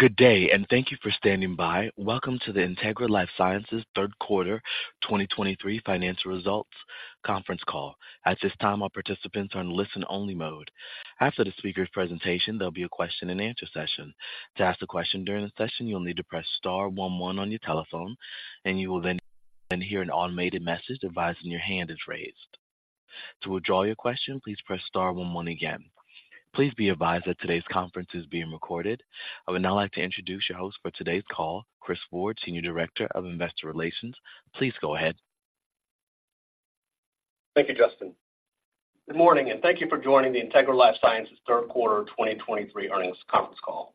Good day, and thank you for standing by. Welcome to the Integra LifeSciences third quarter 2023 financial results conference call. At this time, all participants are in listen-only mode. After the speaker's presentation, there'll be a question-and-answer session. To ask a question during the session, you'll need to press star one one on your telephone, and you will then hear an automated message advising your hand is raised. To withdraw your question, please press star one one again. Please be advised that today's conference is being recorded. I would now like to introduce your host for today's call, Chris Ward, Senior Director of Investor Relations. Please go ahead. Thank you, Justin. Good morning, and thank you for joining the Integra LifeSciences third quarter 2023 earnings conference call.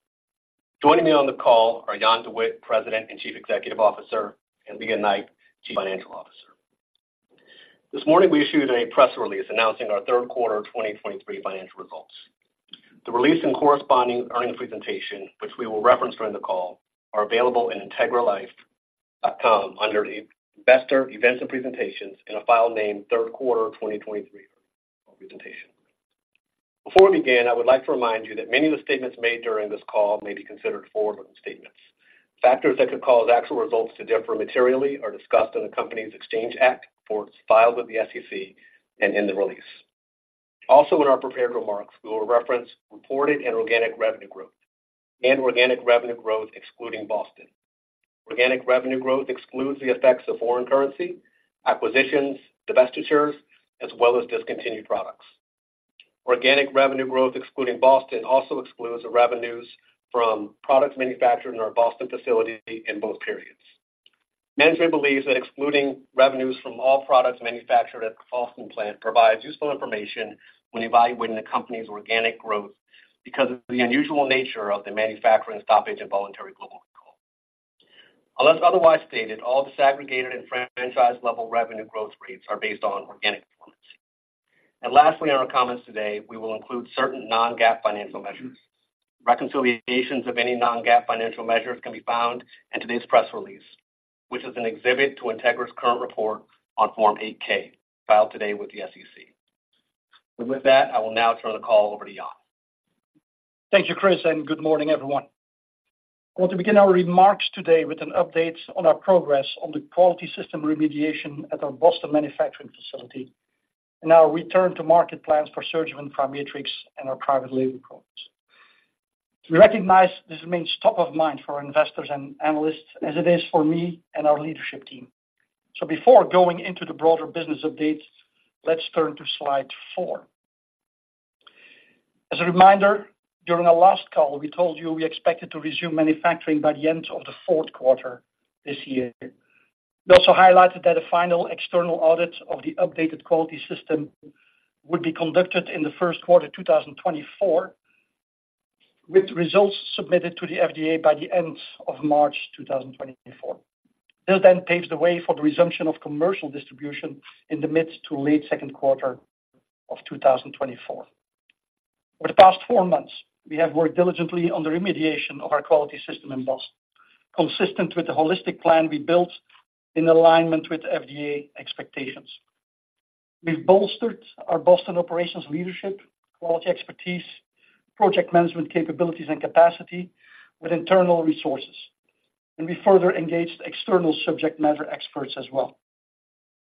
Joining me on the call are Jan De Witte, President and Chief Executive Officer, and Lea Knight, Chief Financial Officer. This morning, we issued a press release announcing our third quarter 2023 financial results. The release and corresponding earnings presentation, which we will reference during the call, are available in integralife.com under Investor, Events and Presentations, in a file named Third Quarter 2023 Presentation. Before we begin, I would like to remind you that many of the statements made during this call may be considered forward-looking statements. Factors that could cause actual results to differ materially are discussed in the company's Exchange Act reports filed with the SEC, and in the release. Also, in our prepared remarks, we will reference reported and organic revenue growth, and organic revenue growth excluding Boston. Organic revenue growth excludes the effects of foreign currency, acquisitions, divestitures, as well as discontinued products. Organic revenue growth, excluding Boston, also excludes the revenues from products manufactured in our Boston facility in both periods. Management believes that excluding revenues from all products manufactured at the Boston plant provides useful information when evaluating the company's organic growth because of the unusual nature of the manufacturing stoppage and voluntary global recall. Unless otherwise stated, all disaggregated and franchise-level revenue growth rates are based on organic performance. And lastly, in our comments today, we will include certain non-GAAP financial measures. Reconciliations of any non-GAAP financial measures can be found in today's press release, which is an exhibit to Integra's current report on Form 8-K, filed today with the SEC. With that, I will now turn the call over to Jan. Thank you, Chris, and good morning, everyone. I want to begin our remarks today with an update on our progress on the quality system remediation at our Boston manufacturing facility and our return to market plans for SurgiMend, PriMatrix, and our private label products. We recognize this remains top of mind for our investors and analysts, as it is for me and our leadership team. Before going into the broader business updates, let's turn to slide four. As a reminder, during our last call, we told you we expected to resume manufacturing by the end of the fourth quarter this year. We also highlighted that a final external audit of the updated quality system would be conducted in the first quarter 2024, with results submitted to the FDA by the end of March 2024. This then paves the way for the resumption of commercial distribution in the mid to late second quarter of 2024. Over the past four months, we have worked diligently on the remediation of our quality system in Boston, consistent with the holistic plan we built in alignment with FDA expectations. We've bolstered our Boston operations leadership, quality expertise, project management capabilities and capacity with internal resources, and we further engaged external subject matter experts as well.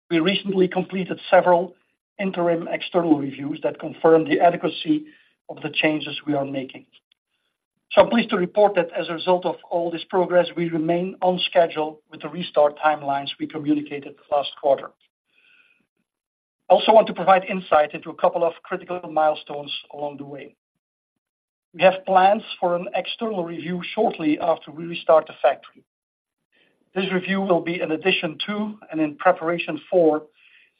We recently completed several interim external reviews that confirmed the adequacy of the changes we are making. I'm pleased to report that as a result of all this progress, we remain on schedule with the restart timelines we communicated last quarter. I also want to provide insight into a couple of critical milestones along the way. We have plans for an external review shortly after we restart the factory. This review will be in addition to and in preparation for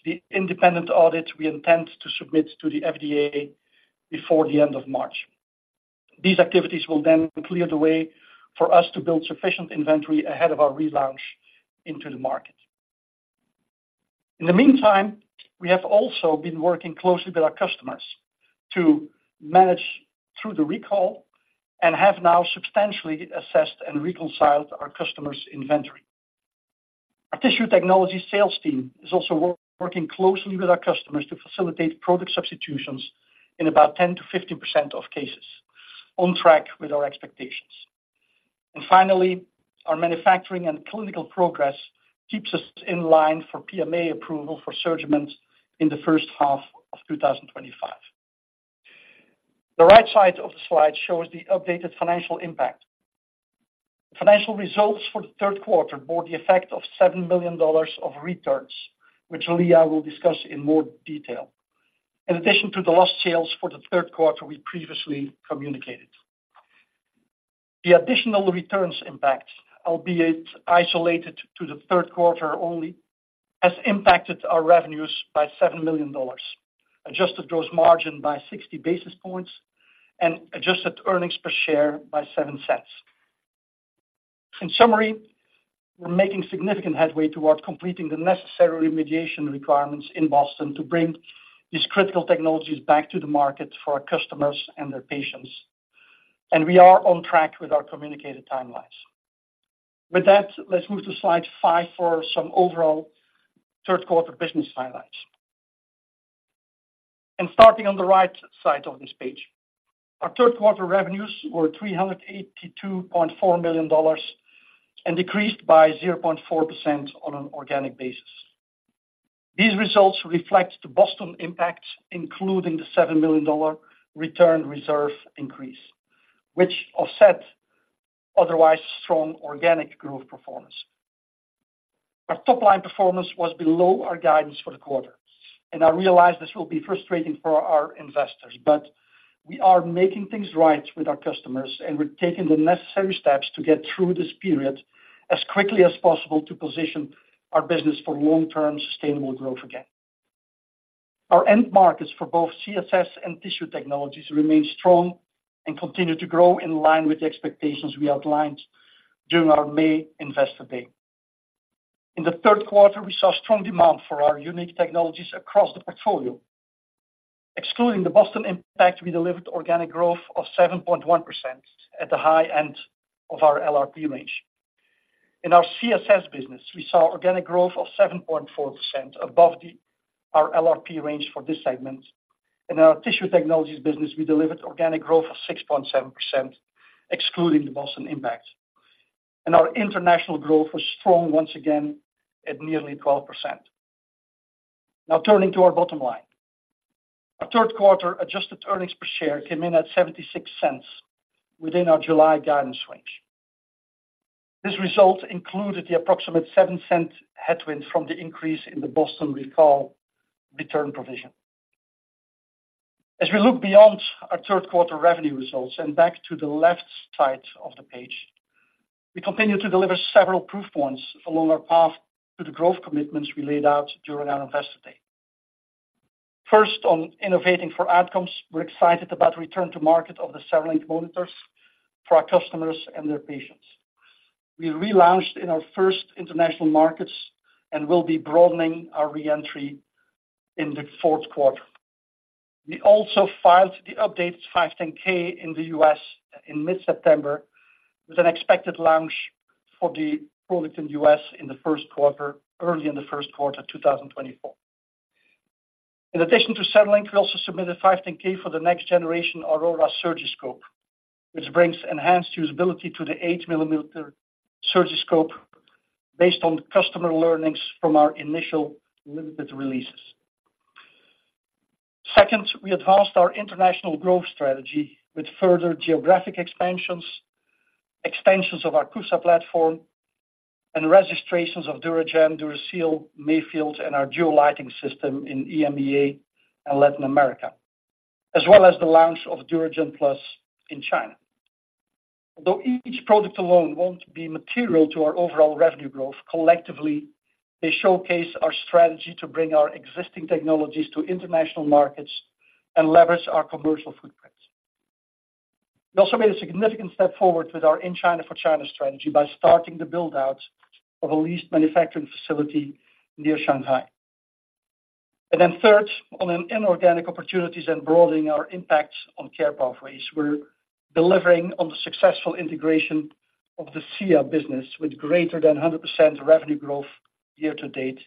the independent audit we intend to submit to the FDA before the end of March. These activities will then clear the way for us to build sufficient inventory ahead of our relaunch into the market. In the meantime, we have also been working closely with our customers to manage through the recall and have now substantially assessed and reconciled our customers' inventory. Our tissue technology sales team is also working closely with our customers to facilitate product substitutions in about 10%-15% of cases, on track with our expectations. And finally, our manufacturing and clinical progress keeps us in line for PMA approval for SurgiMend in the first half of 2025. The right side of the slide shows the updated financial impact. Financial results for the third quarter bore the effect of $7 million of returns, which Lea will discuss in more detail. In addition to the lost sales for the third quarter, we previously communicated. The additional returns impact, albeit isolated to the third quarter only, has impacted our revenues by $7 million, adjusted gross margin by 60 basis points and adjusted earnings per share by $0.07. In summary, we're making significant headway towards completing the necessary remediation requirements in Boston to bring these critical technologies back to the market for our customers and their patients, and we are on track with our communicated timelines. With that, let's move to slide five for some overall third-quarter business highlights. And starting on the right side of this page. Our third quarter revenues were $382.4 million, and decreased by 0.4% on an organic basis. These results reflect the Boston impact, including the $7 million return reserve increase, which offset otherwise strong organic growth performance. Our top line performance was below our guidance for the quarter, and I realize this will be frustrating for our investors, but we are making things right with our customers, and we're taking the necessary steps to get through this period as quickly as possible to position our business for long-term sustainable growth again. Our end markets for both CSS and Tissue Technologies remain strong and continue to grow in line with the expectations we outlined during our May Investor Day. In the third quarter, we saw strong demand for our unique technologies across the portfolio. Excluding the Boston impact, we delivered organic growth of 7.1% at the high end of our LRP range. In our CSS business, we saw organic growth of 7.4% above our LRP range for this segment. In our Tissue Technologies business, we delivered organic growth of 6.7%, excluding the Boston impact. And our International growth was strong once again at nearly 12%. Now, turning to our bottom line. Our third quarter adjusted earnings per share came in at $0.76 within our July guidance range. This result included the approximate $0.07 headwind from the increase in the Boston recall return provision. As we look beyond our third quarter revenue results and back to the left side of the page, we continued to deliver several proof points along our path to the growth commitments we laid out during our Investor Day. First, on innovating for outcomes, we're excited about return to market of the CereLink monitors for our customers and their patients. We relaunched in our first international markets and will be broadening our re-entry in the fourth quarter. We also filed the updated 510(k) in the U.S. in mid-September, with an expected launch for the product in the U.S. in the first quarter, early in the first quarter, 2024. In addition to CereLink, we also submitted a 510(k) for the next generation Aurora SurgiScope, which brings enhanced usability to the 8-mm SurgiScope based on customer learnings from our initial limited releases. Second, we advanced our international growth strategy with further geographic expansions, expansions of our CUSA platform, and registrations of DuraGen, DuraSeal, Mayfield, and our Duo LED system in EMEA and Latin America, as well as the launch of DuraGen Plus in China. Although each product alone won't be material to our overall revenue growth, collectively, they showcase our strategy to bring our existing technologies to international markets and leverage our commercial footprint. We also made a significant step forward with our In China for China strategy by starting the build-out of a leased manufacturing facility near Shanghai. And then third, on inorganic opportunities and broadening our impacts on care pathways, we're delivering on the successful integration of the SIA business with greater than 100% revenue growth year-to-date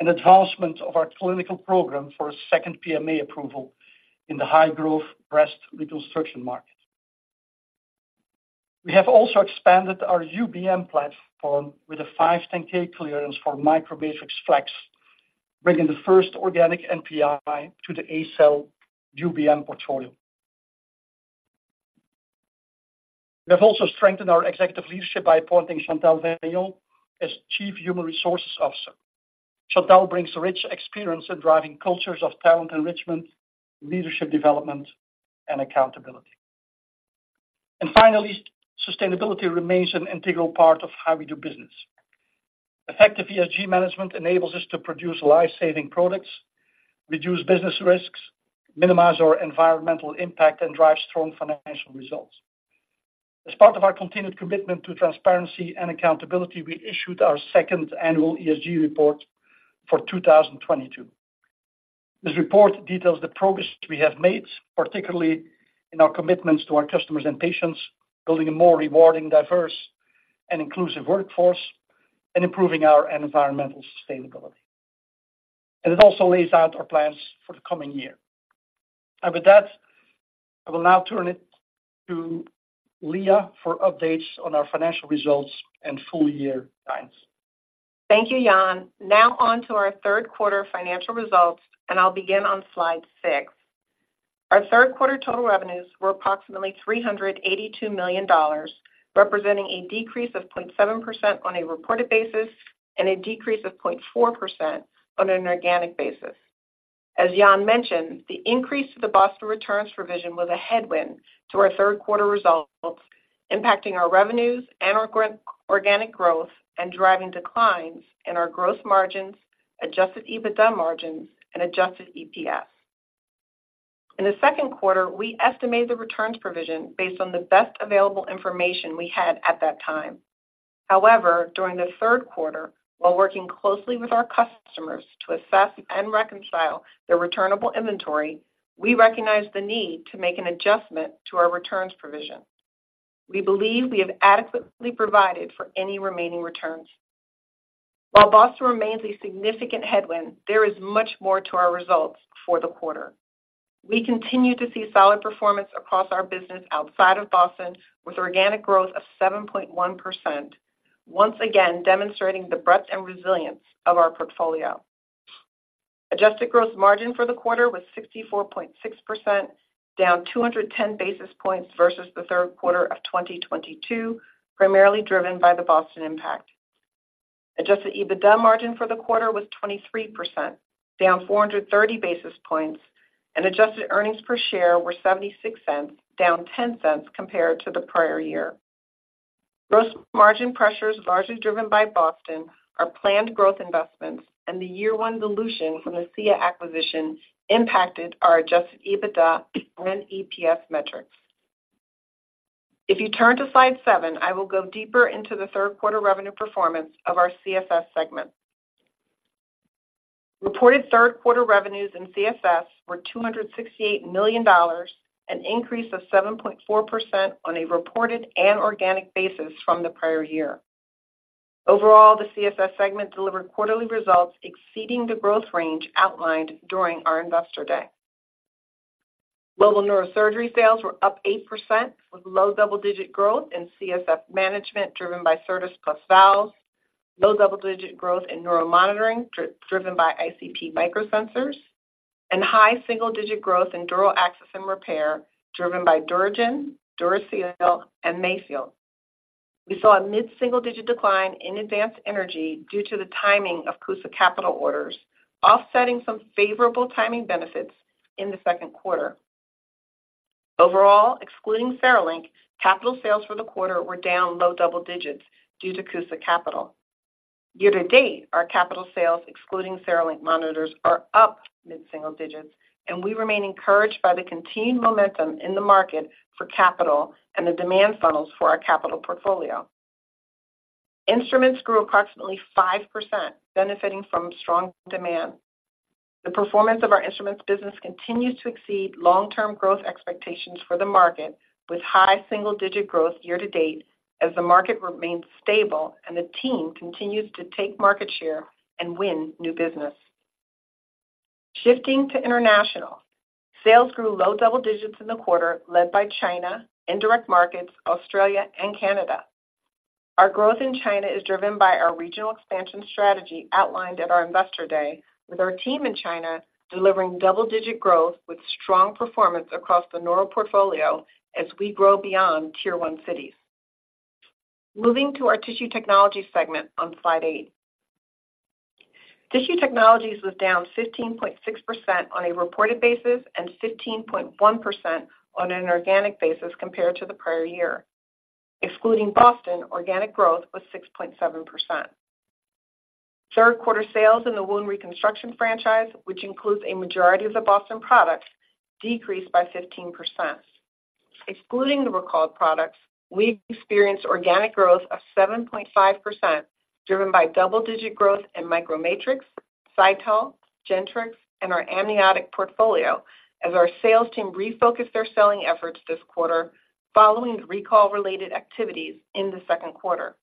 and advancement of our clinical program for a second PMA approval in the high-growth breast reconstruction market. We have also expanded our UBM platform with a 510(k) clearance for MicroMatrix Flex, bringing the first organic NPI to the A-Cell UBM portfolio. We have also strengthened our executive leadership by appointing Chantal Veillon as Chief Human Resources Officer. Chantal brings rich experience in driving cultures of talent enrichment, leadership development, and accountability. And finally, sustainability remains an integral part of how we do business. Effective ESG management enables us to produce life-saving products, reduce business risks, minimize our environmental impact, and drive strong financial results. As part of our continued commitment to transparency and accountability, we issued our second annual ESG report for 2022. This report details the progress we have made, particularly in our commitments to our customers and patients, building a more rewarding, diverse, and inclusive workforce, and improving our environmental sustainability. It also lays out our plans for the coming year. With that, I will now turn it to Lea for updates on our financial results and full year guidance. Thank you, Jan. Now on to our third quarter financial results, and I'll begin on slide six. Our third quarter total revenues were approximately $382 million, representing a decrease of 0.7% on a reported basis and a decrease of 0.4% on an organic basis. As Jan mentioned, the increase to the Boston returns provision was a headwind to our third quarter results, impacting our revenues and our organic growth, and driving declines in our gross margins, adjusted EBITDA margins, and adjusted EPS. In the second quarter, we estimated the returns provision based on the best available information we had at that time. However, during the third quarter, while working closely with our customers to assess and reconcile their returnable inventory, we recognized the need to make an adjustment to our returns provision. We believe we have adequately provided for any remaining returns. While Boston remains a significant headwind, there is much more to our results for the quarter. We continue to see solid performance across our business outside of Boston, with organic growth of 7.1%. Once again, demonstrating the breadth and resilience of our portfolio. Adjusted gross margin for the quarter was 64.6%, down 210 basis points versus the third quarter of 2022, primarily driven by the Boston impact. Adjusted EBITDA margin for the quarter was 23%, down 430 basis points, and adjusted earnings per share were $0.76, down $0.10 compared to the prior year. Gross margin pressures, largely driven by Boston, our planned growth investments and the year one dilution from the SIA acquisition impacted our adjusted EBITDA and EPS metrics. If you turn to slide seven, I will go deeper into the third quarter revenue performance of our CSS segment. Reported third quarter revenues in CSS were $268 million, an increase of 7.4% on a reported and organic basis from the prior year. Overall, the CSS segment delivered quarterly results exceeding the growth range outlined during our Investor Day. Global neurosurgery sales were up 8%, with low double-digit growth in CSF management, driven by Certas Plus valves, low double-digit growth in Neuro Monitoring, driven by ICP Microsensors, and high single-digit growth in Dural Access and Repair, driven by DuraGen, DuraSeal, and Mayfield. We saw a mid-single-digit decline in Advanced Energy due to the timing of CUSA capital orders, offsetting some favorable timing benefits in the second quarter. Overall, excluding CereLink, capital sales for the quarter were down low double digits due to CUSA capital. Year to date, our capital sales, excluding CereLink monitors, are up mid-single digits, and we remain encouraged by the continued momentum in the market for capital and the demand funnels for our capital portfolio. Instruments grew approximately 5%, benefiting from strong demand. The performance of our instruments business continues to exceed long-term growth expectations for the market, with high single-digit growth year to date as the market remains stable and the team continues to take market share and win new business. Shifting to international. Sales grew low double digits in the quarter, led by China, Indirect Markets, Australia, and Canada. Our growth in China is driven by our regional expansion strategy outlined at our Investor Day, with our team in China delivering double-digit growth with strong performance across the neural portfolio as we grow beyond Tier 1 cities. Moving to our Tissue Technologies segment on Slide eight. Tissue Technologies was down 15.6% on a reported basis and 15.1% on an organic basis compared to the prior year. Excluding Boston, organic growth was 6.7%. Third quarter sales in the wound reconstruction franchise, which includes a majority of the Boston products, decreased by 15%. Excluding the recalled products, we've experienced organic growth of 7.5%, driven by double-digit growth in MicroMatrix, Cytal, Gentrix, and our amniotic portfolio as our sales team refocused their selling efforts this quarter following recall-related activities in the second quarter.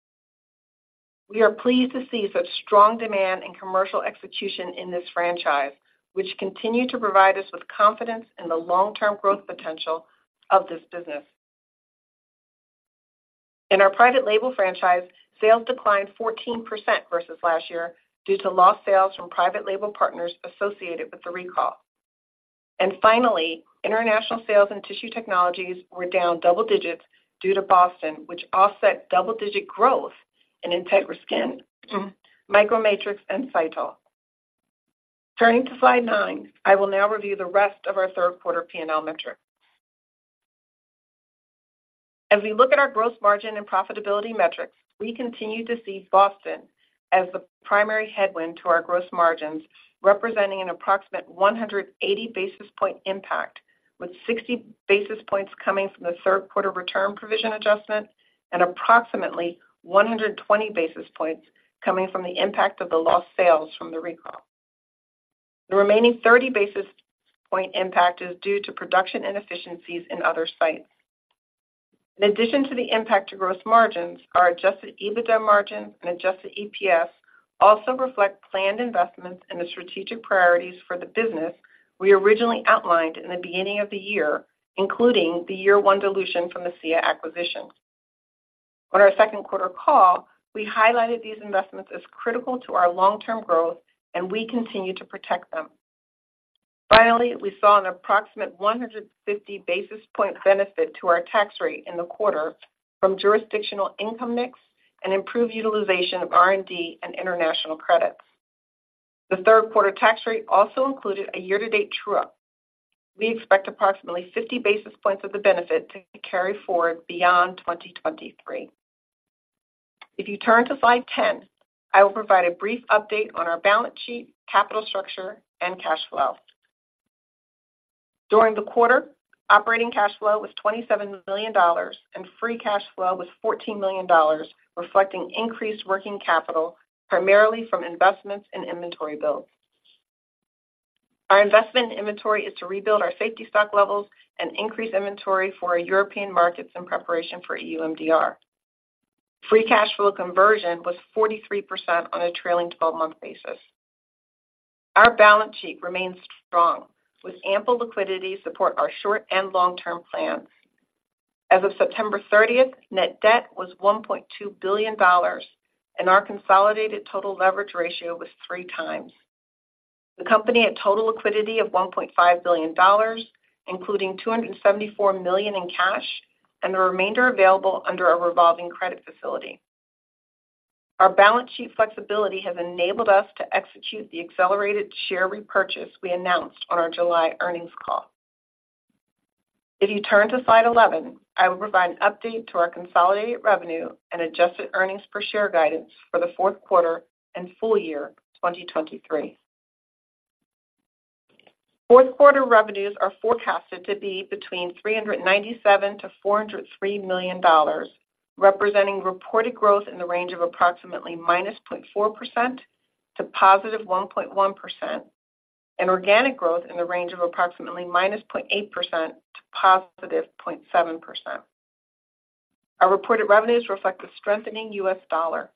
We are pleased to see such strong demand and commercial execution in this franchise, which continue to provide us with confidence in the long-term growth potential of this business. In our private label franchise, sales declined 14% versus last year due to lost sales from private label partners associated with the recall. And finally, international sales and Tissue Technologies were down double digits due to Boston, which offset double-digit growth in Integra Skin, MicroMatrix, and Cytal. Turning to Slide nine, I will now review the rest of our third quarter P&L metrics. As we look at our gross margin and profitability metrics, we continue to see Boston as the primary headwind to our gross margins, representing an approximate 100 basis point impact, with 60 basis points coming from the third quarter return provision adjustment and approximately 120 basis points coming from the impact of the lost sales from the recall. The remaining 30 basis point impact is due to production inefficiencies in other sites. In addition to the impact to gross margins, our adjusted EBITDA margin and adjusted EPS also reflect planned investments in the strategic priorities for the business we originally outlined in the beginning of the year, including the year one dilution from the SIA acquisition. On our second quarter call, we highlighted these investments as critical to our long-term growth, and we continue to protect them. Finally, we saw an approximate 150 basis points benefit to our tax rate in the quarter from jurisdictional income mix and improved utilization of R&D and international credits. The third quarter tax rate also included a year-to-date true-up. We expect approximately 50 basis points of the benefit to carry forward beyond 2023. If you turn to slide 10, I will provide a brief update on our balance sheet, capital structure, and cash flow. During the quarter, operating cash flow was $27 million, and free cash flow was $14 million, reflecting increased working capital, primarily from investments in inventory build. Our investment inventory is to rebuild our safety stock levels and increase inventory for our European markets in preparation for EU MDR. Free cash flow conversion was 43% on a trailing 12-month basis. Our balance sheet remains strong, with ample liquidity to support our short- and long-term plans. As of September 30th, net debt was $1.2 billion, and our consolidated total leverage ratio was 3x. The company had total liquidity of $1.5 billion, including $274 million in cash, and the remainder available under a revolving credit facility. Our balance sheet flexibility has enabled us to execute the accelerated share repurchase we announced on our July earnings call. If you turn to slide 11, I will provide an update to our consolidated revenue and adjusted earnings per share guidance for the fourth quarter and full year 2023. Fourth quarter revenues are forecasted to be between $397 million-$403 million, representing reported growth in the range of approximately -0.4% to +1.1%, and organic growth in the range of approximately -0.8% to +0.7%. Our reported revenues reflect the strengthening US dollar.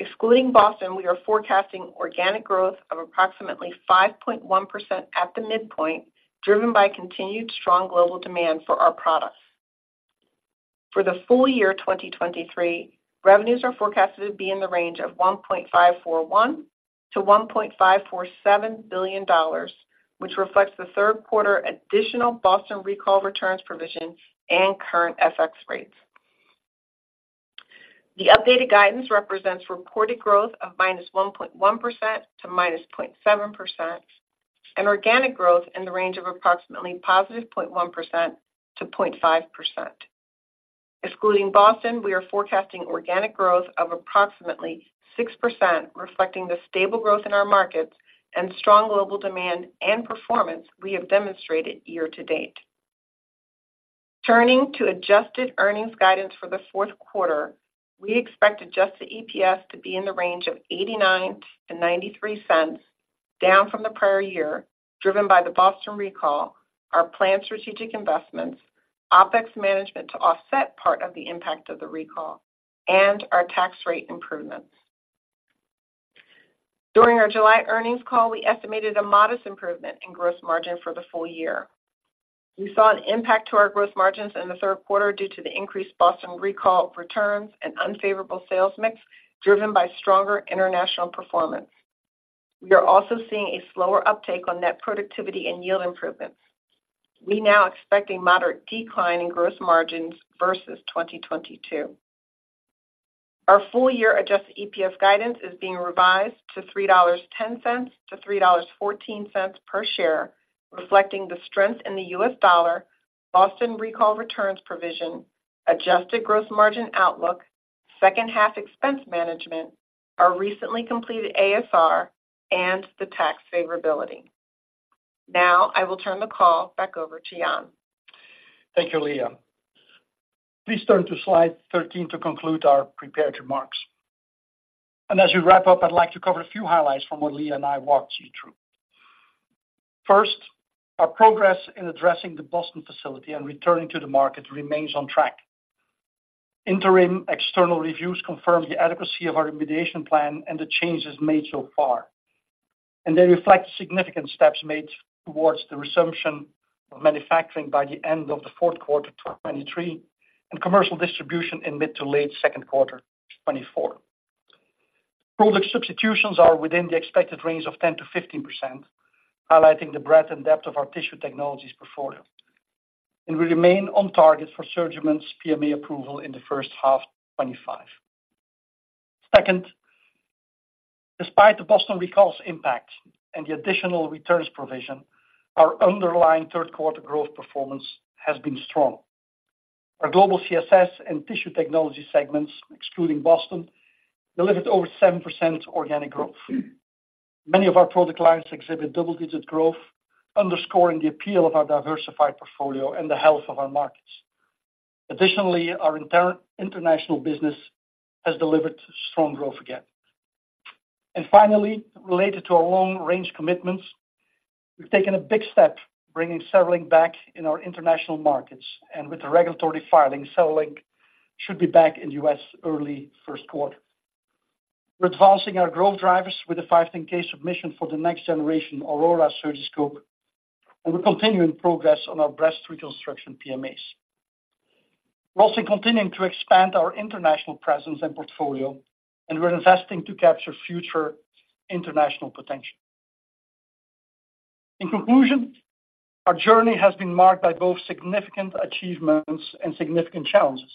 Excluding Boston, we are forecasting organic growth of approximately 5.1% at the midpoint, driven by continued strong global demand for our products. For the full year 2023, revenues are forecasted to be in the range of $1.541 billion-$1.547 billion, which reflects the third quarter additional Boston recall returns provision and current FX rates. The updated guidance represents reported growth of -1.1% to -0.7%, and organic growth in the range of approximately +0.1% to 0.5%. Excluding Boston, we are forecasting organic growth of approximately 6%, reflecting the stable growth in our markets and strong global demand and performance we have demonstrated year-to-date. Turning to adjusted earnings guidance for the fourth quarter, we expect adjusted EPS to be in the range of $0.89-$0.93, down from the prior year, driven by the Boston recall, our planned strategic investments, OpEx management to offset part of the impact of the recall, and our tax rate improvements. During our July earnings call, we estimated a modest improvement in gross margin for the full year. We saw an impact to our gross margins in the third quarter due to the increased Boston recall returns and unfavorable sales mix, driven by stronger international performance. We are also seeing a slower uptake on net productivity and yield improvements. We now expect a moderate decline in gross margins versus 2022. Our full-year adjusted EPS guidance is being revised to $3.10-$3.14 per share, reflecting the strength in the US dollar, Boston recall returns provision, adjusted gross margin outlook, second half expense management, our recently completed ASR, and the tax favorability. Now, I will turn the call back over to Jan. Thank you, Lea. Please turn to slide 13 to conclude our prepared remarks. As we wrap up, I'd like to cover a few highlights from what Lea and I walked you through. First, our progress in addressing the Boston facility and returning to the market remains on track. Interim external reviews confirm the adequacy of our remediation plan and the changes made so far, and they reflect significant steps made towards the resumption of manufacturing by the end of the fourth quarter, 2023, and commercial distribution in mid to late second quarter, 2024. Product substitutions are within the expected range of 10%-15%, highlighting the breadth and depth of our Tissue Technologies portfolio. We remain on target for SurgiMend's PMA approval in the first half of 2025. Second, despite the Boston recall's impact and the additional returns provision, our underlying third quarter growth performance has been strong. Our global CSS and Tissue Technology segments, excluding Boston, delivered over 7% organic growth. Many of our product lines exhibit double-digit growth, underscoring the appeal of our diversified portfolio and the health of our markets. Additionally, our international business has delivered strong growth again. Finally, related to our long-range commitments, we've taken a big step bringing CereLink back in our international markets, and with the regulatory filings, CereLink should be back in the U.S. early first quarter. We're advancing our growth drivers with a 510(k) submission for the next generation Aurora SurgiScope, and we're continuing progress on our breast reconstruction PMAs. We're also continuing to expand our international presence and portfolio, and we're investing to capture future international potential. In conclusion, our journey has been marked by both significant achievements and significant challenges.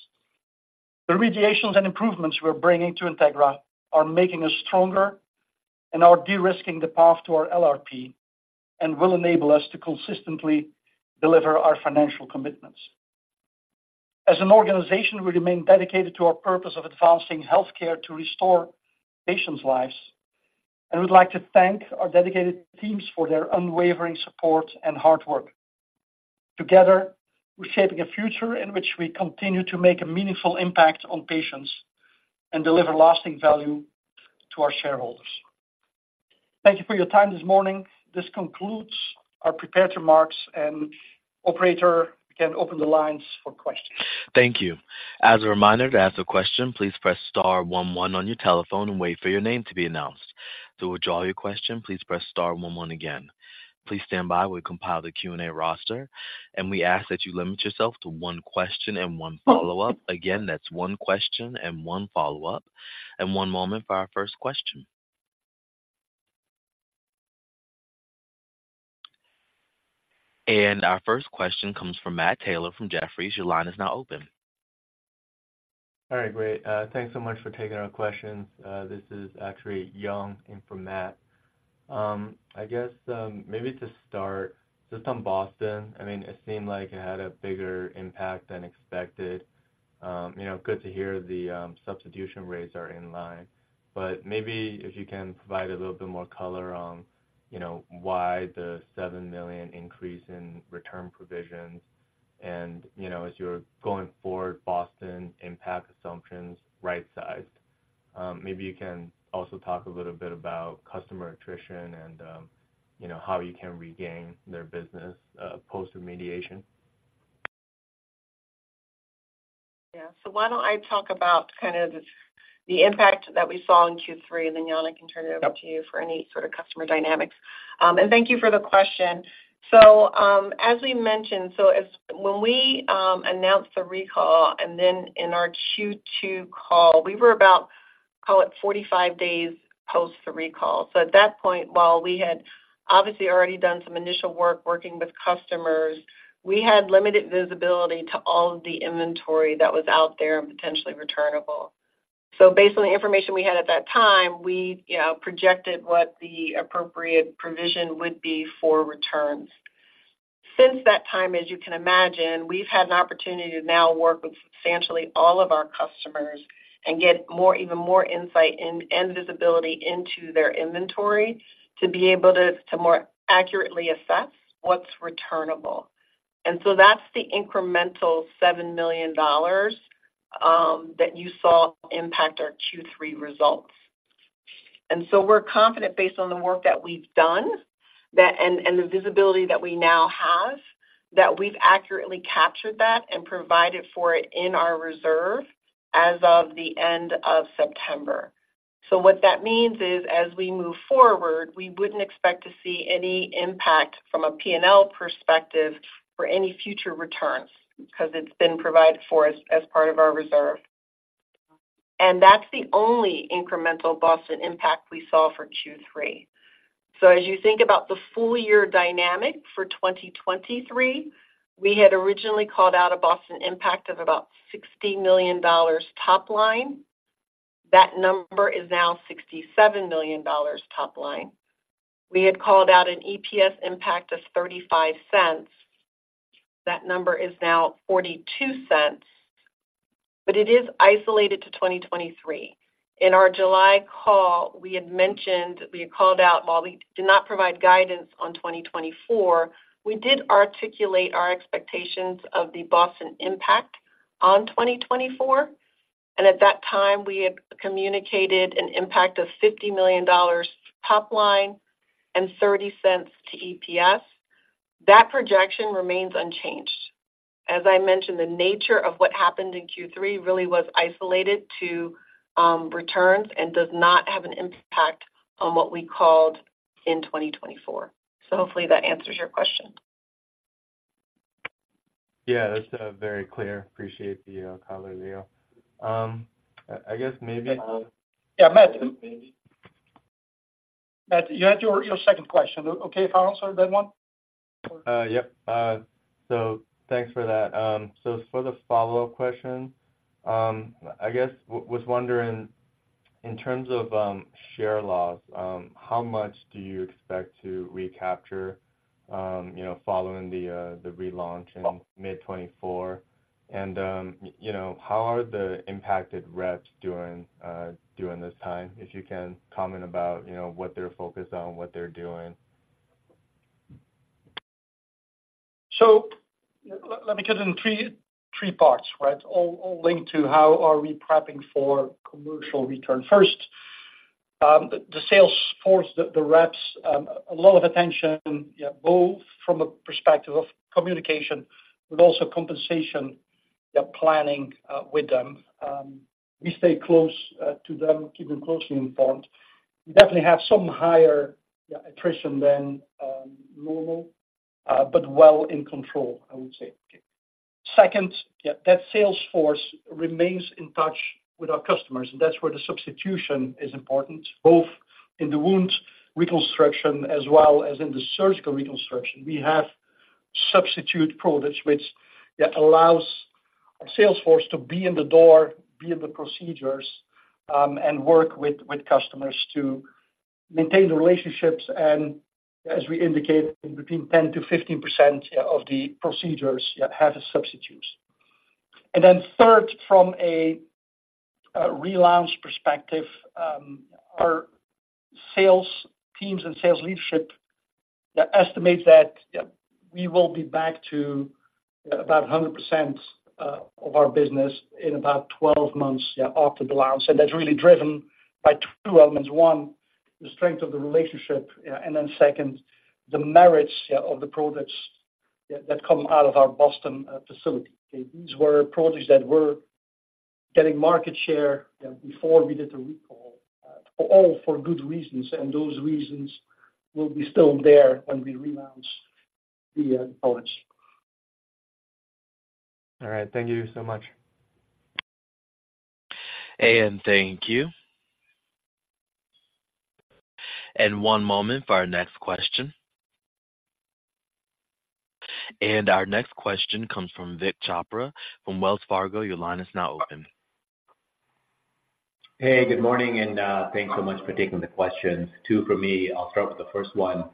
The remediations and improvements we're bringing to Integra are making us stronger and are de-risking the path to our LRP and will enable us to consistently deliver our financial commitments. As an organization, we remain dedicated to our purpose of advancing healthcare to restore patients' lives, and we'd like to thank our dedicated teams for their unwavering support and hard work. Together, we're shaping a future in which we continue to make a meaningful impact on patients and deliver lasting value to our shareholders. Thank you for your time this morning. This concludes our prepared remarks, and operator, you can open the lines for questions. Thank you. As a reminder, to ask a question, please press star one one on your telephone and wait for your name to be announced. To withdraw your question, please press star one one again. Please stand by. We compile the Q&A roster, and we ask that you limit yourself to one question and one follow-up. Again, that's one question and one follow-up, and one moment for our first question. Our first question comes from Matt Taylor from Jefferies. Your line is now open. All right, great. Thanks so much for taking our questions. This is actually Young Li for Matt. I guess, maybe to start, just on Boston, I mean, it seemed like it had a bigger impact than expected. You know, good to hear the substitution rates are in line, but maybe if you can provide a little bit more color on, you know, why the $7 million increase in return provisions and, you know, as you're going forward, Boston impact assumptions right-sized. Maybe you can also talk a little bit about customer attrition and, you know, how you can regain their business, post-remediation. Yeah. So why don't I talk about kind of the, the impact that we saw in Q3, and then, Jan, I can turn it over to you for any sort of customer dynamics. And thank you for the question. So, as we mentioned, when we announced the recall, and then in our Q2 call, we were about, call it, 45 days post the recall. So at that point, while we had obviously already done some initial work working with customers, we had limited visibility to all of the inventory that was out there and potentially returnable. So based on the information we had at that time, we, you know, projected what the appropriate provision would be for returns. Since that time, as you can imagine, we've had an opportunity to now work with substantially all of our customers and get more, even more insight and visibility into their inventory to be able to more accurately assess what's returnable. And so that's the incremental $7 million that you saw impact our Q3 results. And so we're confident, based on the work that we've done, and the visibility that we now have, that we've accurately captured that and provided for it in our reserve as of the end of September. So what that means is, as we move forward, we wouldn't expect to see any impact from a P&L perspective for any future returns, because it's been provided for us as part of our reserve. And that's the only incremental Boston impact we saw for Q3. So as you think about the full year dynamic for 2023, we had originally called out a Boston impact of about $60 million top line. That number is now $67 million top line. We had called out an EPS impact of $0.35. That number is now $0.42, but it is isolated to 2023. In our July call, we had mentioned, we had called out, while we did not provide guidance on 2024, we did articulate our expectations of the Boston impact on 2024, and at that time, we had communicated an impact of $50 million top line and $0.30 to EPS. That projection remains unchanged. As I mentioned, the nature of what happened in Q3 really was isolated to returns and does not have an impact on what we called in 2024. So hopefully that answers your question. Yeah, that's very clear. Appreciate the color, Lea. I guess maybe— Yeah, Matt. Matt, you had your, your second question. Okay, if I answer that one? Yep. So thanks for that. For the follow-up question, I guess was wondering, in terms of share loss, how much do you expect to recapture, you know, following the relaunch in mid 2024? And you know, how are the impacted reps doing during this time, if you can comment about you know, what they're focused on, what they're doing? So let me cut it in three parts, right? All linked to how are we prepping for commercial return. First, the sales force, the reps, a lot of attention, yeah, both from a perspective of communication, but also compensation, the planning with them. We stay close to them, keep them closely informed. We definitely have some higher, yeah, attrition than normal, but well in control, I would say. Second, yeah, that sales force remains in touch with our customers, and that's where the substitution is important, both in the wound reconstruction as well as in the surgical reconstruction. We have substitute products which that allows our sales force to be in the door, be in the procedures, and work with customers to maintain the relationships. And as we indicated, between 10%-15%, yeah, of the procedures, yeah, have substitutes. And then third, from a relaunch perspective, our sales teams and sales leadership estimates that, yeah, we will be back to about 100%, of our business in about 12 months, yeah, after the launch. And that's really driven by two elements. One, the strength of the relationship, yeah. And then second, the merits, yeah, of the products, yeah, that come out of our Boston facility. These were products that were getting market share, yeah, before we did the recall, all for good reasons, and those reasons will be still there when we relaunch the products. All right. Thank you so much. Thank you. One moment for our next question. Our next question comes from Vik Chopra from Wells Fargo. Your line is now open. Hey, good morning, and thanks so much for taking the questions. Two for me. I'll start with the first one.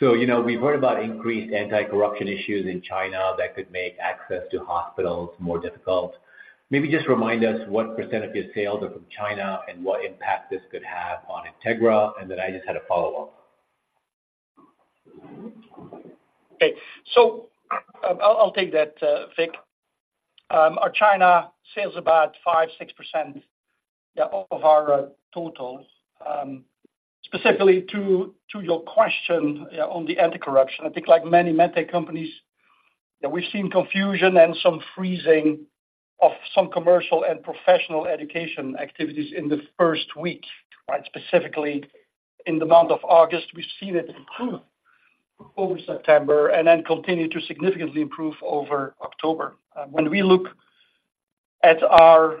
So, you know, we've heard about increased anti-corruption issues in China that could make access to hospitals more difficult. Maybe just remind us what percent of your sales are from China and what impact this could have on Integra, and then I just had a follow-up. Okay. So, I'll take that, Vik. Our China sales are about 5%, 6% of our total. Specifically to your question, yeah, on the anti-corruption, I think like many med tech companies, yeah, we've seen confusion and some freezing of some commercial and professional education activities in the first week, right? Specifically in the month of August. We've seen it improve over September and then continue to significantly improve over October. When we look at our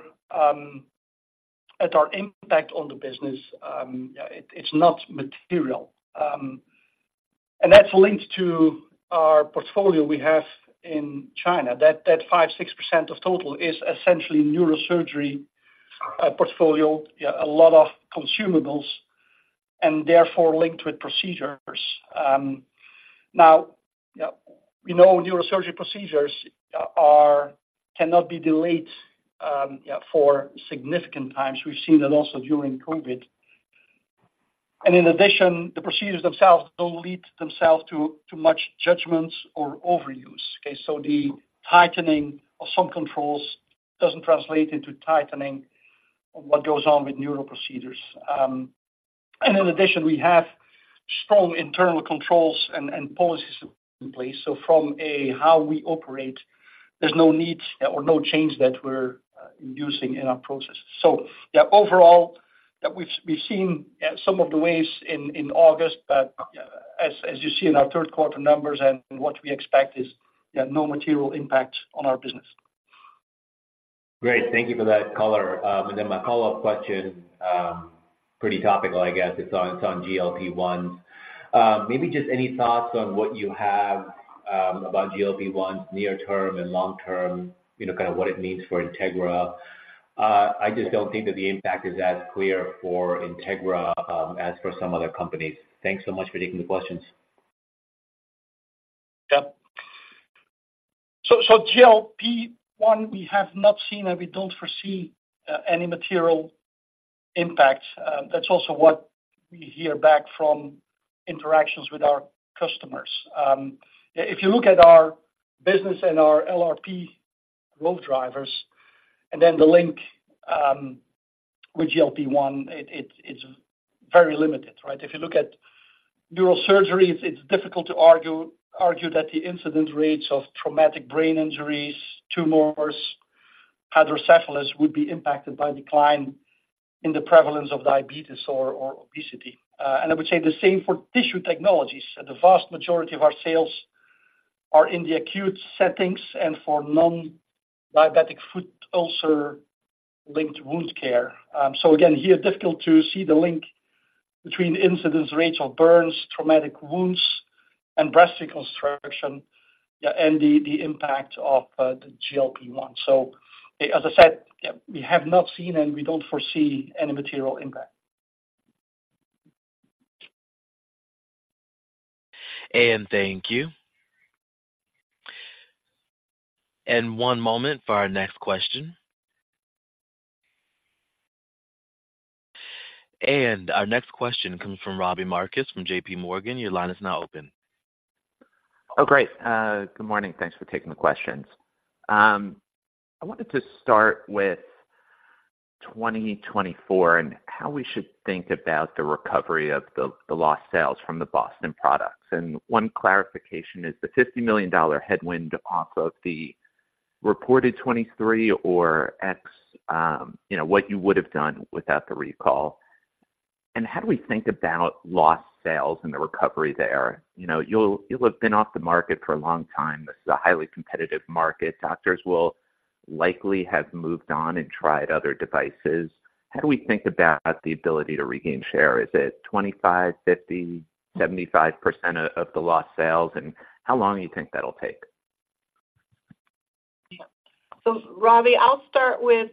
impact on the business, yeah, it's not material. And that's linked to our portfolio we have in China. That 5%, 6% of total is essentially neurosurgery portfolio, yeah, a lot of consumables and therefore linked with procedures. Now, yeah, we know neurosurgery procedures cannot be delayed, yeah, for significant times. We've seen that also during COVID. In addition, the procedures themselves don't lead themselves to much judgments or overuse, okay? The tightening of some controls doesn't translate into tightening of what goes on with neural procedures. In addition, we have strong internal controls and policies in place. From how we operate, there's no need or no change that we're using in our processes. Yeah, overall, we've seen some of the ways in August, but as you see in our third quarter numbers and what we expect is, yeah, no material impact on our business. Great. Thank you for that color. And then my follow-up question, pretty topical, I guess. It's on, it's on GLP-1. Maybe just any thoughts on what you have about GLP-1 near term and long term, you know, kind of what it means for Integra. I just don't think that the impact is as clear for Integra as for some other companies. Thanks so much for taking the questions. Yeah. So, GLP-1, we have not seen and we don't foresee any material impact. That's also what we hear back from interactions with our customers. If you look at our business and our LRP growth drivers and then the link with GLP-1, it's very limited, right? If you look at neurosurgery, it's difficult to argue that the incidence rates of traumatic brain injuries, tumors, hydrocephalus, would be impacted by decline in the prevalence of diabetes or obesity. And I would say the same for Tissue Technologies. The vast majority of our sales are in the acute settings and for non-diabetic foot ulcer-linked wound care. So again, here, difficult to see the link between incidence rates of burns, traumatic wounds, and breast reconstruction, yeah, and the impact of the GLP-1. So as I said, yeah, we have not seen and we don't foresee any material impact. Thank you. One moment for our next question. Our next question comes from Robbie Marcus from JPMorgan. Your line is now open. Oh, great. Good morning. Thanks for taking the questions. I wanted to start with 2024 and how we should think about the recovery of the lost sales from the Boston products. And one clarification, is the $50 million headwind off of the reported 2023 or X, you know, what you would have done without the recall? And how do we think about lost sales and the recovery there? You know, you'll have been off the market for a long time. This is a highly competitive market. Doctors will likely have moved on and tried other devices. How do we think about the ability to regain share? Is it 25%, 50%, 75% of the lost sales? And how long do you think that'll take? So, Robbie, I'll start with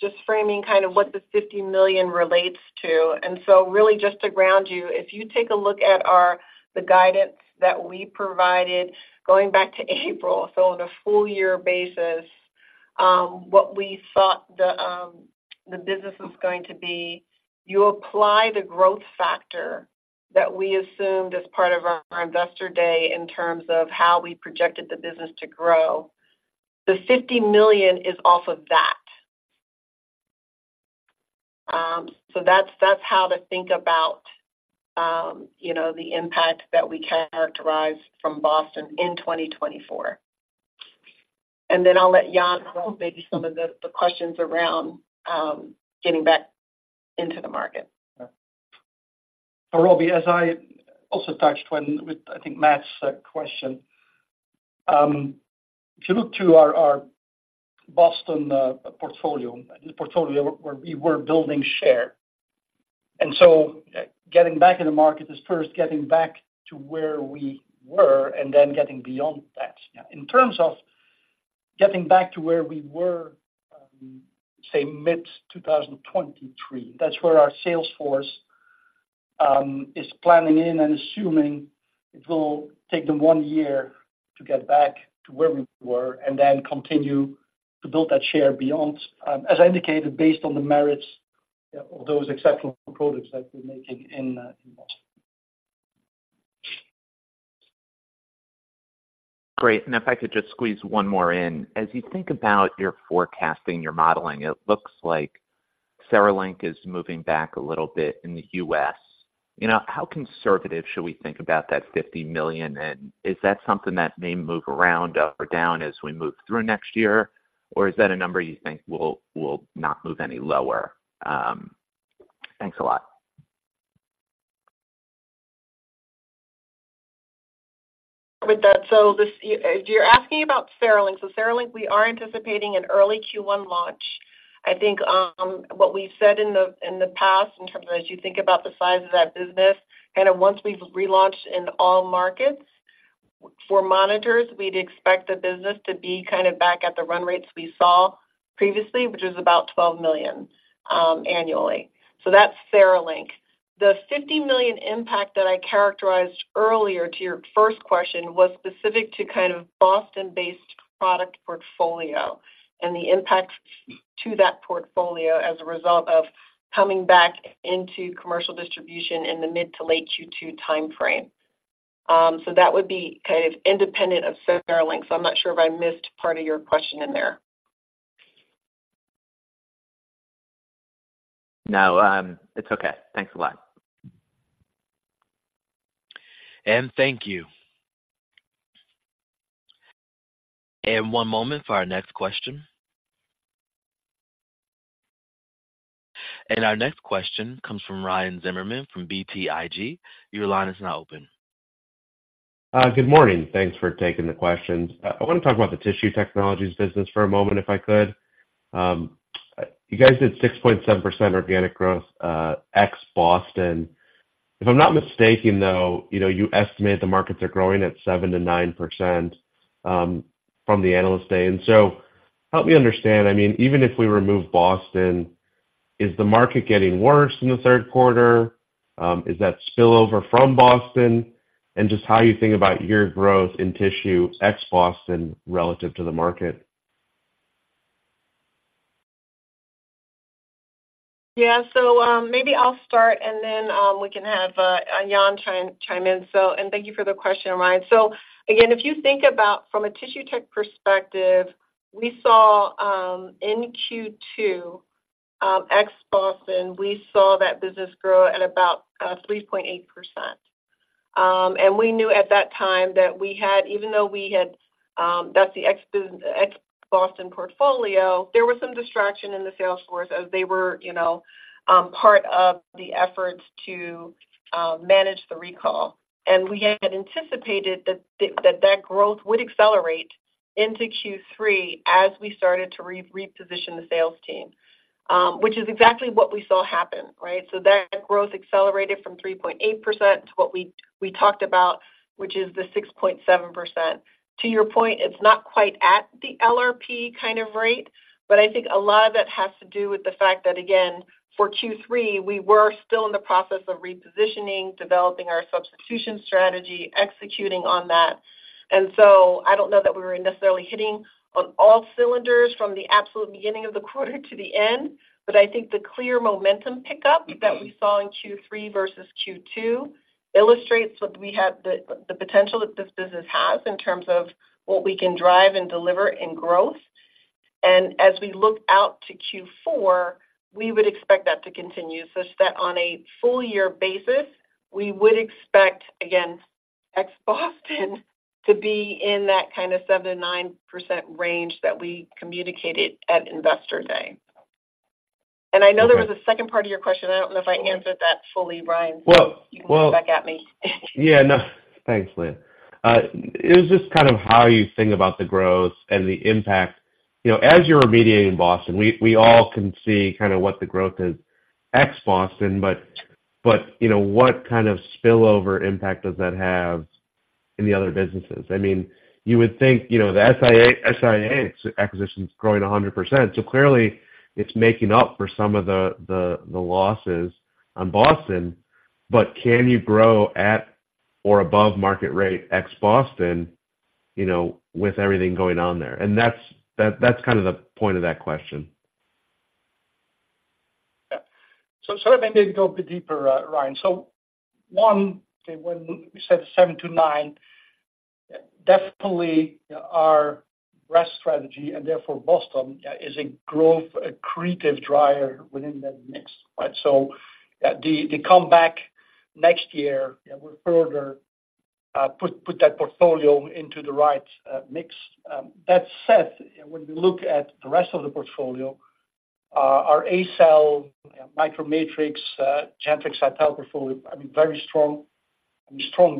just framing kind of what the $50 million relates to. And so really just to ground you, if you take a look at the guidance that we provided going back to April, so on a full year basis, what we thought the business was going to be, you apply the growth factor that we assumed as part of our Investor Day in terms of how we projected the business to grow. The $50 million is off of that. So that's how to think about, you know, the impact that we characterize from Boston in 2024. And then I'll let Jan handle maybe some of the questions around getting back into the market. And Robbie, as I also touched when with, I think, Matt's question, if you look to our Boston portfolio, the portfolio where we were building share, and so getting back in the market is first getting back to where we were and then getting beyond that. In terms of getting back to where we were, say, mid-2023, that's where our sales force is planning in and assuming it will take them one year to get back to where we were and then continue to build that share beyond, as I indicated, based on the merits of those exceptional products that we're making in Boston. Great. If I could just squeeze one more in. As you think about your forecasting, your modeling, it looks like CereLink is moving back a little bit in the U.S. You know, how conservative should we think about that $50 million, and is that something that may move around, up or down as we move through next year? Or is that a number you think will, will not move any lower? Thanks a lot. With that, if you're asking about CereLink, so CereLink, we are anticipating an early Q1 launch. I think what we've said in the past, in terms of as you think about the size of that business, kind of once we've relaunched in all markets for monitors, we'd expect the business to be back at the run rates we saw previously, which is about $12 million annually. So that's CereLink. The $50 million impact that I characterized earlier to your first question was specific to kind of Boston-based product portfolio and the impact to that portfolio as a result of coming back into commercial distribution in the mid to late Q2 time frame. So that would be kind of independent of CereLink. So I'm not sure if I missed part of your question in there. No, it's okay. Thanks a lot. Thank you. One moment for our next question. Our next question comes from Ryan Zimmerman from BTIG. Your line is now open. Good morning. Thanks for taking the questions. I want to talk about the Tissue Technologies business for a moment, if I could. You guys did 6.7% organic growth, ex Boston. If I'm not mistaken, though, you know, you estimate the markets are growing at 7%-9%, from the Analyst Day. And so help me understand, I mean, even if we remove Boston, is the market getting worse in the third quarter? Is that spillover from Boston? And just how you think about your growth in tissue ex Boston relative to the market. Yeah. So, maybe I'll start, and then, we can have Jan chime in. So, and thank you for the question, Ryan. So again, if you think about from a Tissue Tech perspective, we saw in Q2, ex Boston, we saw that business grow at about 3.8%. And we knew at that time that we had, even though we had, that's the ex-Boston portfolio, there was some distraction in the sales force as they were, you know, part of the efforts to manage the recall. And we had anticipated that growth would accelerate into Q3 as we started to reposition the sales team, which is exactly what we saw happen, right? So that growth accelerated from 3.8% to what we, we talked about, which is the 6.7%. To your point, it's not quite at the LRP kind of rate, but I think a lot of it has to do with the fact that, again, for Q3, we were still in the process of repositioning, developing our substitution strategy, executing on that. And so I don't know that we were necessarily hitting on all cylinders from the absolute beginning of the quarter to the end, but I think the clear momentum pickup that we saw in Q3 versus Q2 illustrates what we have, the, the potential that this business has in terms of what we can drive and deliver in growth. As we look out to Q4, we would expect that to continue, such that on a full year basis, we would expect, again, ex Boston to be in that kind of 7%, 9% range that we communicated at Investor Day. I know there was a second part of your question. I don't know if I answered that fully, Ryan. You can come back at me. Yeah, no, thanks, Lea. It was just kind of how you think about the growth and the impact. You know, as you're remediating Boston, we all can see kind of what the growth is ex Boston, but you know, what kind of spillover impact does that have in the other businesses? I mean, you would think, you know, the SIA acquisition is growing 100%. So clearly, it's making up for some of the losses on Boston. But can you grow at or above market rate ex Boston, you know, with everything going on there? And that's kind of the point of that question. Yeah. So, let me maybe go a bit deeper, Ryan. So one, when we said 7%-9%, definitely our regen strategy, and therefore Boston, yeah, is a growth, accretive driver within that mix, right? So, the comeback next year, yeah, will further put that portfolio into the right mix. That said, when we look at the rest of the portfolio, our A-Cell, MicroMatrix, Gentrix, Cytal portfolio, I mean, very strong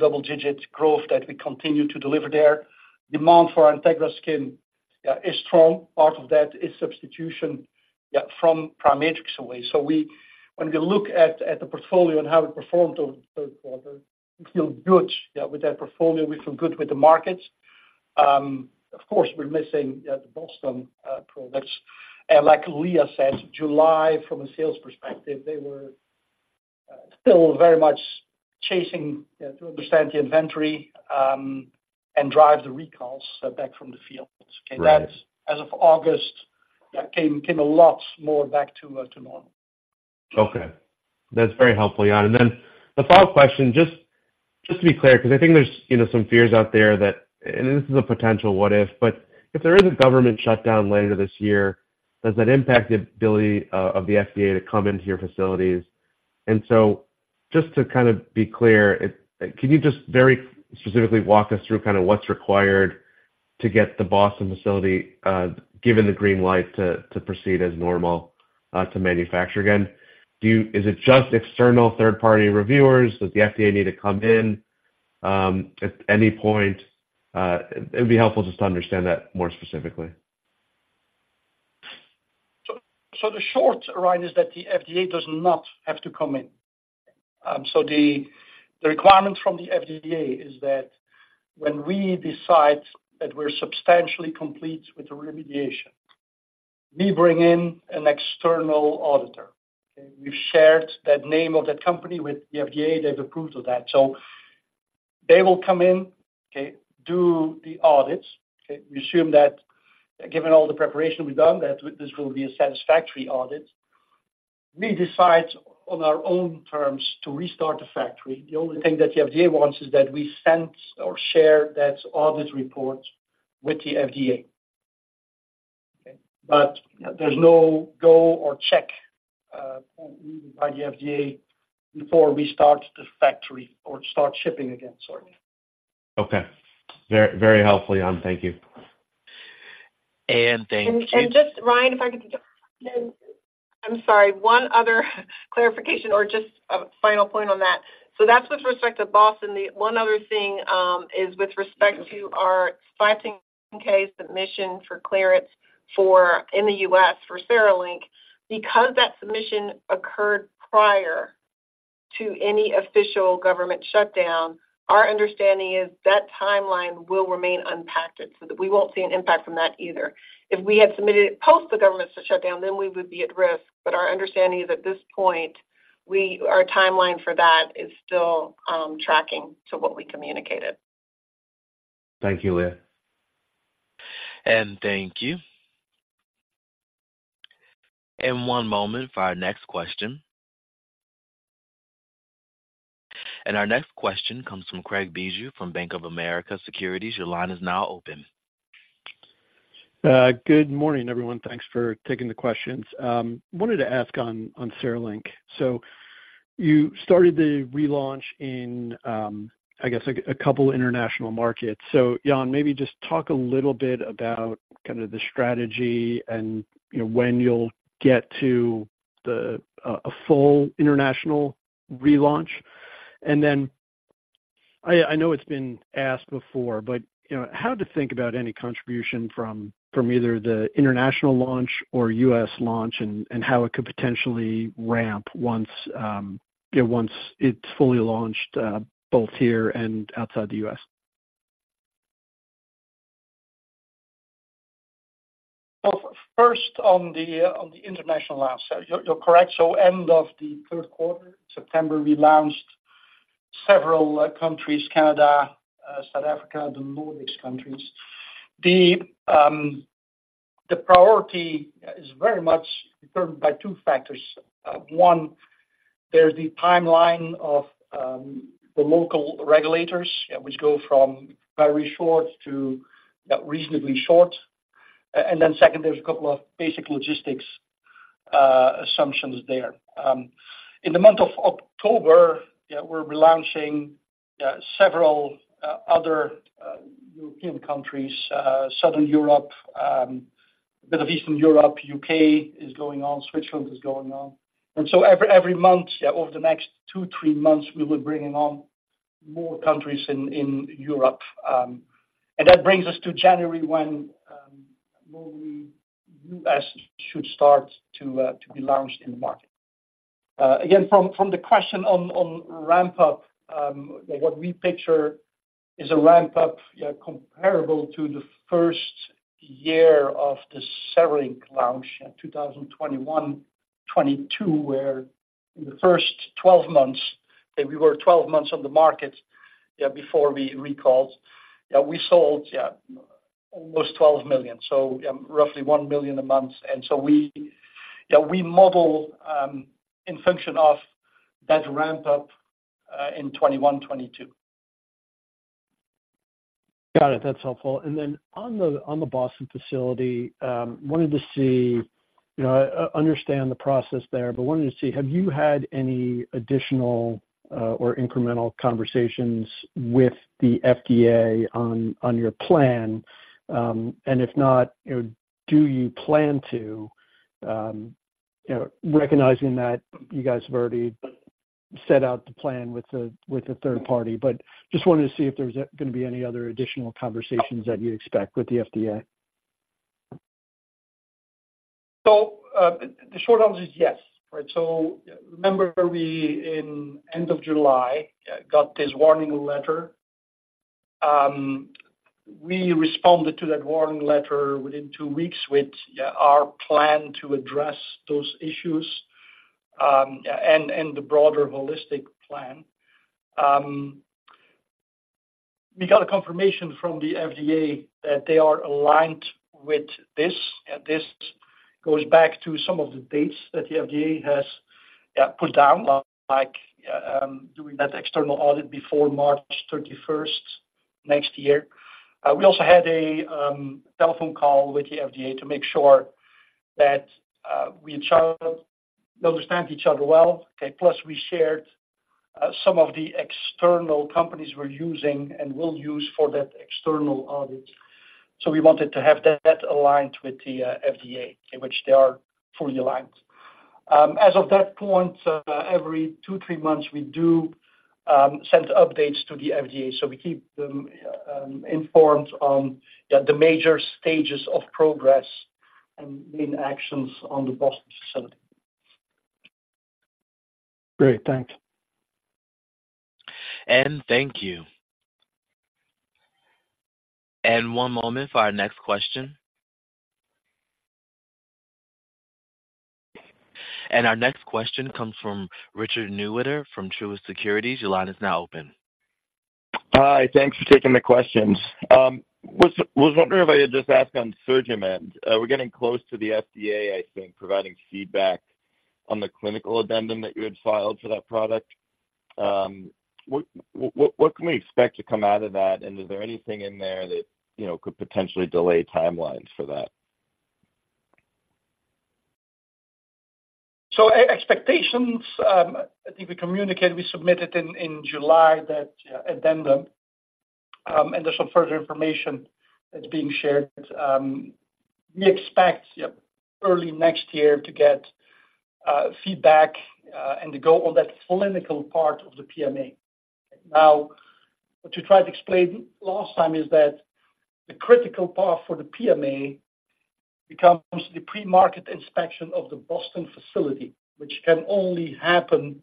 double-digit growth that we continue to deliver there. Demand for Integra Skin, yeah, is strong. Part of that is substitution, yeah, from PriMatrix away. So when we look at the portfolio and how it performed over the quarter, we feel good, yeah, with that portfolio. We feel good with the markets. Of course, we're missing the Boston products. Like Lea says, July, from a sales perspective, they were still very much chasing to understand the inventory and drive the recalls back from the field. That as of August, that came a lot more back to normal. Okay. That's very helpful, Jan. And then the follow-up question, just, just to be clear, because I think there's, you know, some fears out there that, and this is a potential what if, but if there is a government shutdown later this year, does that impact the ability of the FDA to come into your facilities? And so just to kind of be clear, can you just very specifically walk us through kind of what's required to get the Boston facility given the green light to proceed as normal to manufacture again? Do you? Is it just external third-party reviewers? Does the FDA need to come in at any point? It would be helpful just to understand that more specifically. So, the short, Ryan, is that the FDA does not have to come in. So, the requirement from the FDA is that when we decide that we're substantially complete with the remediation, we bring in an external auditor, okay? We've shared that name of that company with the FDA. They've approved of that. So they will come in, okay, do the audits, okay? We assume that, given all the preparation we've done, that this will be a satisfactory audit. We decide on our own terms to restart the factory. The only thing that the FDA wants is that we send or share that audit report with the FDA. Okay, but there's no go or check by the FDA before we start the factory or start shipping again, sorry. Okay. Very, very helpful, Jan. Thank you. And thank- Just, Ryan, if I could—I'm sorry, one other clarification or just a final point on that. So that's with respect to Boston. The one other thing is with respect to our 510(k) submission for clearance for in the U.S. for CereLink, because that submission occurred prior to any official government shutdown. Our understanding is that timeline will remain impacted, so that we won't see an impact from that either. If we had submitted it post the government shutdown, then we would be at risk. But our understanding is, at this point, we—our timeline for that is still tracking to what we communicated. Thank you, Lea. Thank you. One moment for our next question. Our next question comes from Craig Bijou from Bank of America Securities. Your line is now open. Good morning, everyone. Thanks for taking the questions. Wanted to ask on CereLink. So you started the relaunch in, I guess a couple international markets. So Jan, maybe just talk a little bit about kind of the strategy and, you know, when you'll get to the a full international relaunch. And then, I know it's been asked before, but, you know, how to think about any contribution from either the international launch or U.S. launch and how it could potentially ramp once, you know, once it's fully launched both here and outside the U.S? Well, first, on the international launch. So you're correct. So end of the third quarter, September, we launched several countries, Canada, South Africa, the Nordic countries. The priority is very much determined by two factors. One, there's the timeline of the local regulators, which go from very short to reasonably short. And then second, there's a couple of basic logistics assumptions there. In the month of October, yeah, we're relaunching several other European countries, Southern Europe, a bit of Eastern Europe, U.K. is going on, Switzerland is going on. And so every month, yeah, over the next two, three months, we will bringing on more countries in Europe. And that brings us to January, when the U.S. should start to be launched in the market. Again, from the question on ramp up, what we picture is a ramp up, yeah, comparable to the first year of the CereLink launch in 2021, 2022, where in the first 12 months, and we were 12 months on the market, yeah, before we recalled, yeah, we sold, yeah, almost $12 million, so, roughly $1 million a month. And so we, yeah, we model in function of that ramp up in 2021, 2022. Got it. That's helpful. And then on the Boston facility, wanted to see, you know, understand the process there, but wanted to see, have you had any additional or incremental conversations with the FDA on your plan? And if not, you know, do you plan to, you know, recognizing that you guys have already set out the plan with the third party. But just wanted to see if there's gonna be any other additional conversations that you expect with the FDA? So, the short answer is yes, right? So remember we, in end of July, got this warning letter. We responded to that warning letter within two weeks with, yeah, our plan to address those issues, and, and the broader holistic plan. We got a confirmation from the FDA that they are aligned with this, and this goes back to some of the dates that the FDA has, yeah, put down, like, doing that external audit before March 31st next year. We also had a telephone call with the FDA to make sure that we understand each other well. Okay, plus, we shared some of the external companies we're using and will use for that external audit. So we wanted to have that aligned with the FDA, in which they are fully aligned. As of that point, every two, three months we do send updates to the FDA, so we keep them informed on the major stages of progress and main actions on the Boston facility. Great, thanks. Thank you. One moment for our next question. Our next question comes from Richard Newitter from Truist Securities. Your line is now open. Hi, thanks for taking the questions. Was wondering if I could just ask on SurgiMend, we're getting close to the FDA, I think, providing feedback on the clinical addendum that you had filed for that product. What can we expect to come out of that? And is there anything in there that, you know, could potentially delay timelines for that? So expectations, I think we communicated, we submitted in July that addendum, and there's some further information that's being shared. We expect early next year to get feedback and to go on that clinical part of the PMA. Now, what you tried to explain last time is that the critical path for the PMA becomes the pre-market inspection of the Boston facility, which can only happen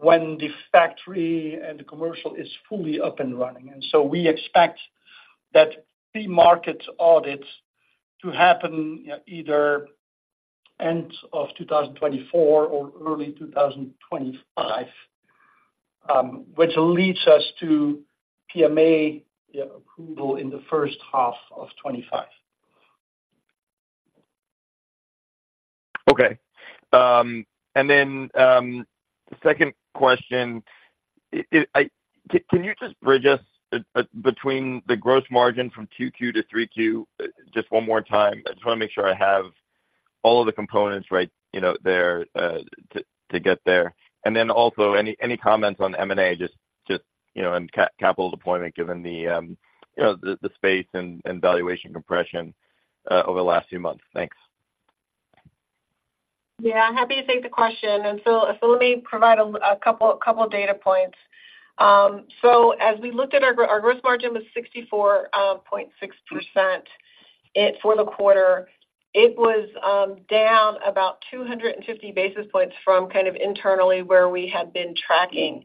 when the factory and the commercial is fully up and running. And so we expect that pre-market audits to happen either end of 2024 or early 2025, which leads us to PMA approval in the first half of 2025. Okay. And then, the second question, can you just bridge us between the gross margin from Q2 to Q3 just one more time? I just wanna make sure I have all of the components right, you know, there to get there. And then also, any comments on M&A, just, you know, and capital deployment, given the, you know, the space and valuation compression over the last few months? Thanks. Yeah, happy to take the question. So let me provide a couple data points. So as we looked at our gross margin was 64.6%. For the quarter, it was down about 250 basis points from kind of internally where we had been tracking.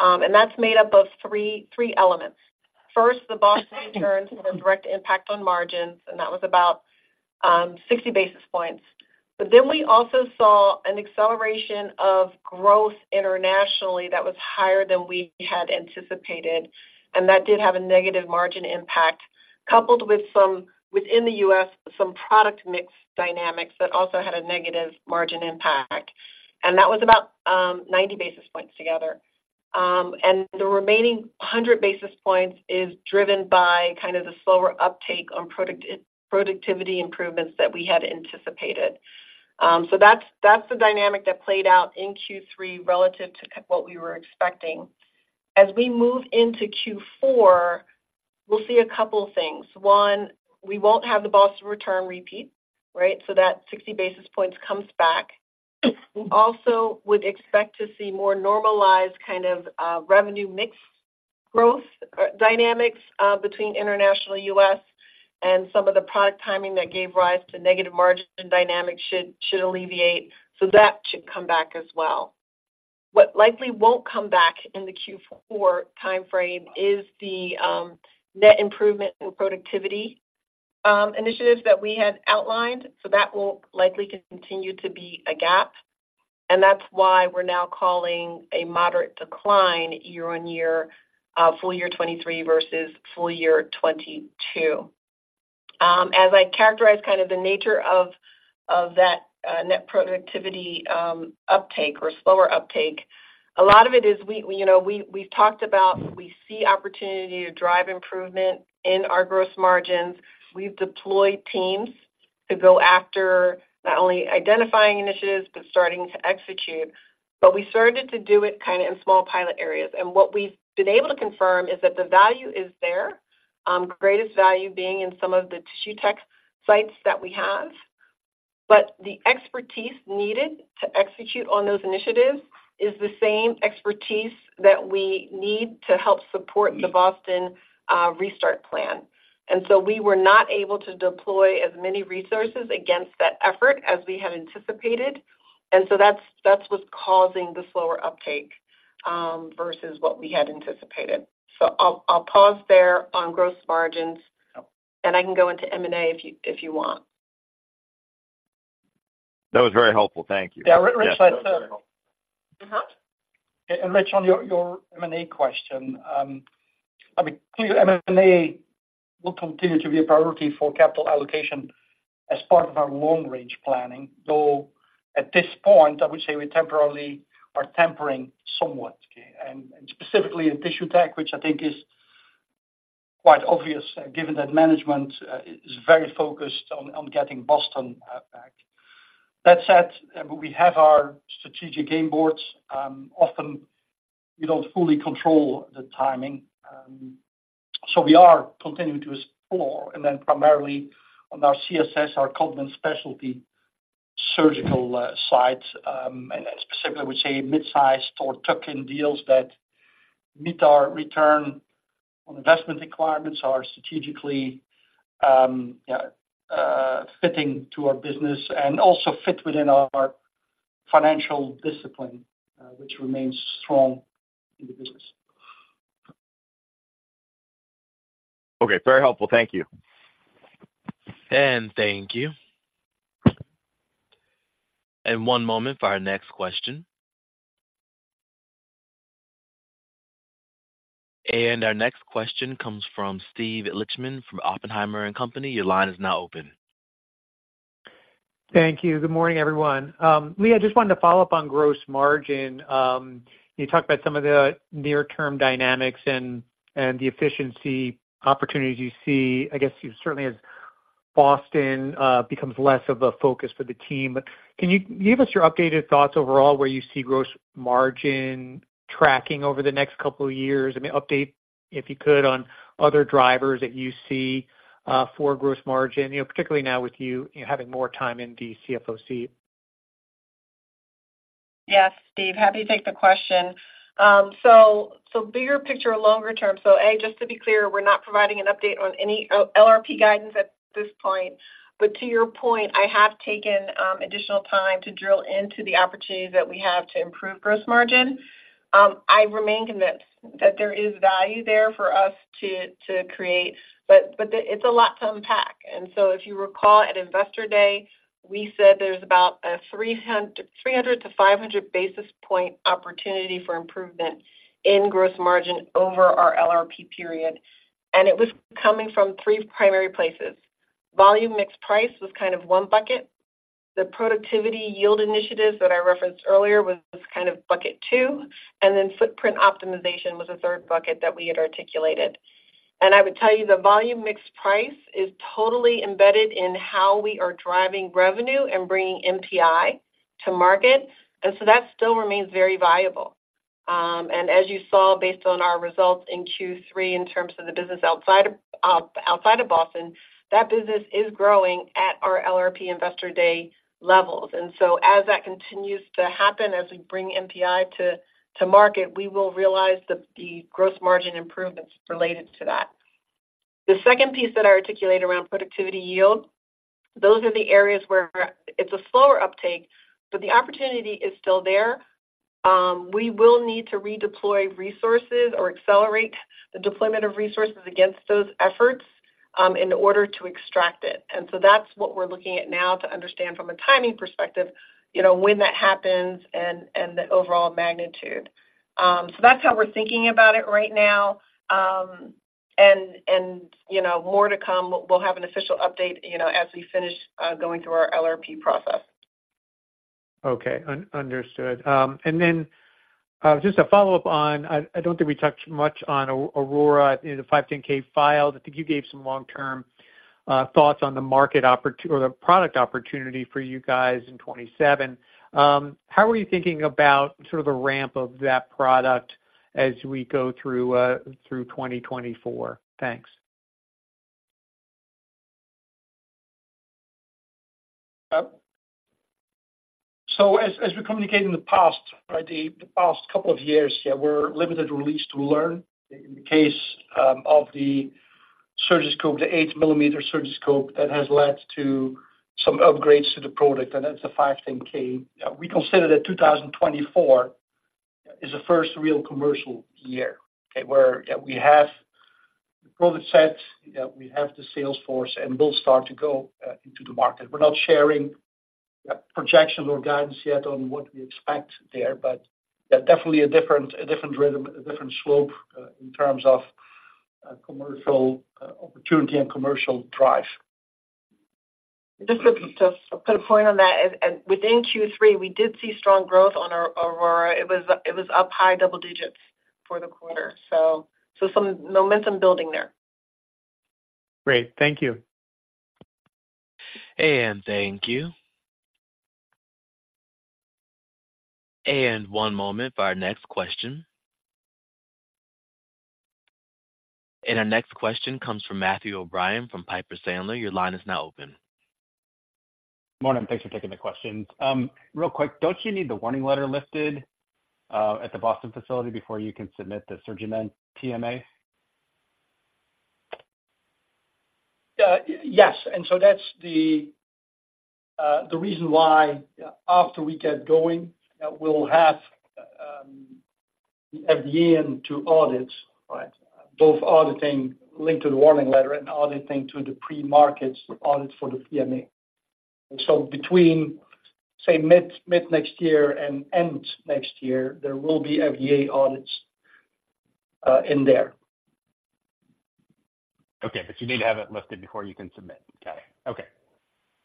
And that's made up of three elements. First, the Boston returns had a direct impact on margins, and that was about 60 basis points. But then we also saw an acceleration of growth internationally that was higher than we had anticipated, and that did have a negative margin impact, coupled with some within the U.S., some product mix dynamics that also had a negative margin impact. And that was about 90 basis points together. And the remaining 100 basis points is driven by kind of the slower uptake on productivity improvements that we had anticipated. So that's, that's the dynamic that played out in Q3 relative to what we were expecting. As we move into Q4, we'll see a couple of things. One, we won't have the Boston return repeat, right? So that 60 basis points comes back. We also would expect to see more normalized kind of revenue mix growth dynamics between international U.S. and some of the product timing that gave rise to negative margin dynamics should alleviate, so that should come back as well. What likely won't come back in the Q4 time frame is the net improvement in productivity initiatives that we had outlined, so that will likely continue to be a gap, and that's why we're now calling a moderate decline year-on-year full year 2023 versus full year 2022. As I characterize kind of the nature of that net productivity uptake or slower uptake, a lot of it is, you know, we've talked about, we see opportunity to drive improvement in our gross margins. We've deployed teams to go after not only identifying initiatives, but starting to execute. But we started to do it kind of in small pilot areas, and what we've been able to confirm is that the value is there, greatest value being in some of the Tissue Tech sites that we have. But the expertise needed to execute on those initiatives is the same expertise that we need to help support the Boston restart plan. And so we were not able to deploy as many resources against that effort as we had anticipated, and so that's, that's what's causing the slower uptake versus what we had anticipated. So I'll, I'll pause there on gross margins, and I can go into M&A if you, if you want. That was very helpful. Thank you. Yeah, Rich, I Rich, on your M&A question, I mean, clearly M&A will continue to be a priority for capital allocation as part of our long-range planning, though at this point, I would say we temporarily are tempering somewhat, and specifically in Tissue Tech, which I think is quite obvious, given that management is very focused on getting Boston back. That said, we have our strategic game boards. Often we don't fully control the timing, so we are continuing to explore, and then primarily on our CSS, our Codman Specialty Surgical sites, and specifically, we say mid-sized or tuck-in deals that meet our return on investment requirements are strategically fitting to our business and also fit within our financial discipline, which remains strong in the business. Okay, very helpful. Thank you. Thank you. One moment for our next question. Our next question comes from Steve Lichtman from Oppenheimer and Company. Your line is now open. Thank you. Good morning, everyone. Lea, I just wanted to follow up on gross margin. You talked about some of the near-term dynamics and the efficiency opportunities you see. I guess you certainly, as Boston becomes less of a focus for the team. Can you give us your updated thoughts overall, where you see gross margin tracking over the next couple of years? I mean, update, if you could, on other drivers that you see for gross margin, you know, particularly now with you having more time in the CFO seat. Yes, Steve, happy to take the question. So, so bigger picture, longer term. So A, just to be clear, we're not providing an update on any LRP guidance at this point, but to your point, I have taken additional time to drill into the opportunities that we have to improve gross margin. I remain convinced that there is value there for us to, to create, but, but it's a lot to unpack. And so if you recall, at Investor Day, we said there's about a 300-500 basis point opportunity for improvement in gross margin over our LRP period, and it was coming from three primary places. Volume mixed price was kind of one bucket. The productivity yield initiatives that I referenced earlier was kind of bucket two, and then footprint optimization was a third bucket that we had articulated. I would tell you, the volume mixed price is totally embedded in how we are driving revenue and bringing NPI to market, and so that still remains very viable. As you saw, based on our results in Q3, in terms of the business outside of Boston, that business is growing at our LRP Investor Day levels. So as that continues to happen, as we bring NPI to market, we will realize the gross margin improvements related to that. The second piece that I articulate around productivity yield, those are the areas where it's a slower uptake, but the opportunity is still there. We will need to redeploy resources or accelerate the deployment of resources against those efforts, in order to extract it. So that's what we're looking at now to understand from a timing perspective, you know, when that happens and the overall magnitude. So that's how we're thinking about it right now, and, you know, more to come. We'll have an official update, you know, as we finish going through our LRP process. Okay, understood. And then, just to follow up on, I don't think we talked much on Aurora in the 510(k) filing. I think you gave some long-term thoughts on the market opportunity or the product opportunity for you guys in 2027. How are you thinking about sort of the ramp of that product as we go through 2024? Thanks. So as we communicated in the past, right, the past couple of years, yeah, we're limited release to learn. In the case of the SurgiScope, the 8-mm SurgiScope, that has led to some upgrades to the product, and that's a 510(k). We consider that 2024 is the first real commercial year, okay? Where, yeah, we have the product set, yeah, we have the sales force, and we'll start to go into the market. We're not sharing projections or guidance yet on what we expect there, but yeah, definitely a different, a different rhythm, a different slope in terms of commercial opportunity and commercial drive. Just to put a point on that, and within Q3, we did see strong growth on our Aurora. It was up high double digits for the quarter. So some momentum building there. Great. Thank you. And thank you. One moment for our next question. Our next question comes from Matthew O'Brien from Piper Sandler. Your line is now open. Morning. Thanks for taking the questions. Real quick, don't you need the warning letter lifted at the Boston facility before you can submit the SurgiMend PMA? Yes, and so that's the reason why, after we get going, we'll have the FDA in to audit, right? Both auditing linked to the warning letter and auditing to the pre-market audit for the PMA. So between, say, mid-next year and end next year, there will be FDA audits in there. Okay, but you need to have it lifted before you can submit. Got it. Okay.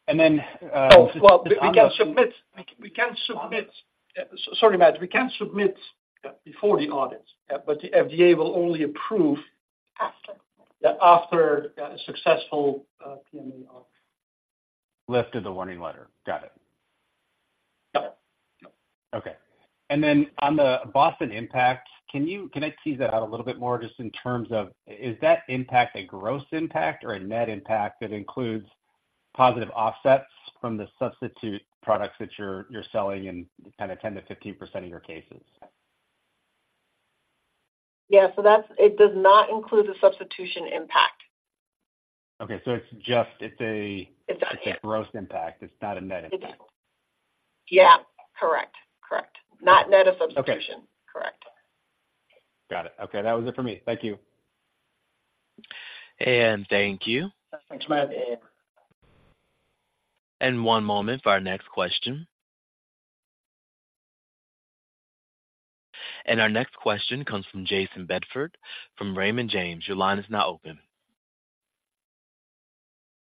And then, Well, we can submit. Sorry, Matt, we can submit, yeah, before the audits, yeah, but the FDA will only approve- After. Yeah, after a successful PMA audit. Lift of the warning letter. Got it. Yeah. Okay. And then on the Boston impact, can I tease that out a little bit more just in terms of, is that impact a gross impact or a net impact that includes positive offsets from the substitute products that you're selling in kind of 10%-15% of your cases? Yeah. So that's it. It does not include the substitution impact. Okay, so it's just a- It's a gross impact. It's not a net impact. Yeah, correct. Correct. Not net of substitution. Correct. Got it. Okay, that was it for me. Thank you. Thank you. Thanks, Matt. One moment for our next question. Our next question comes from Jayson Bedford, from Raymond James. Your line is now open.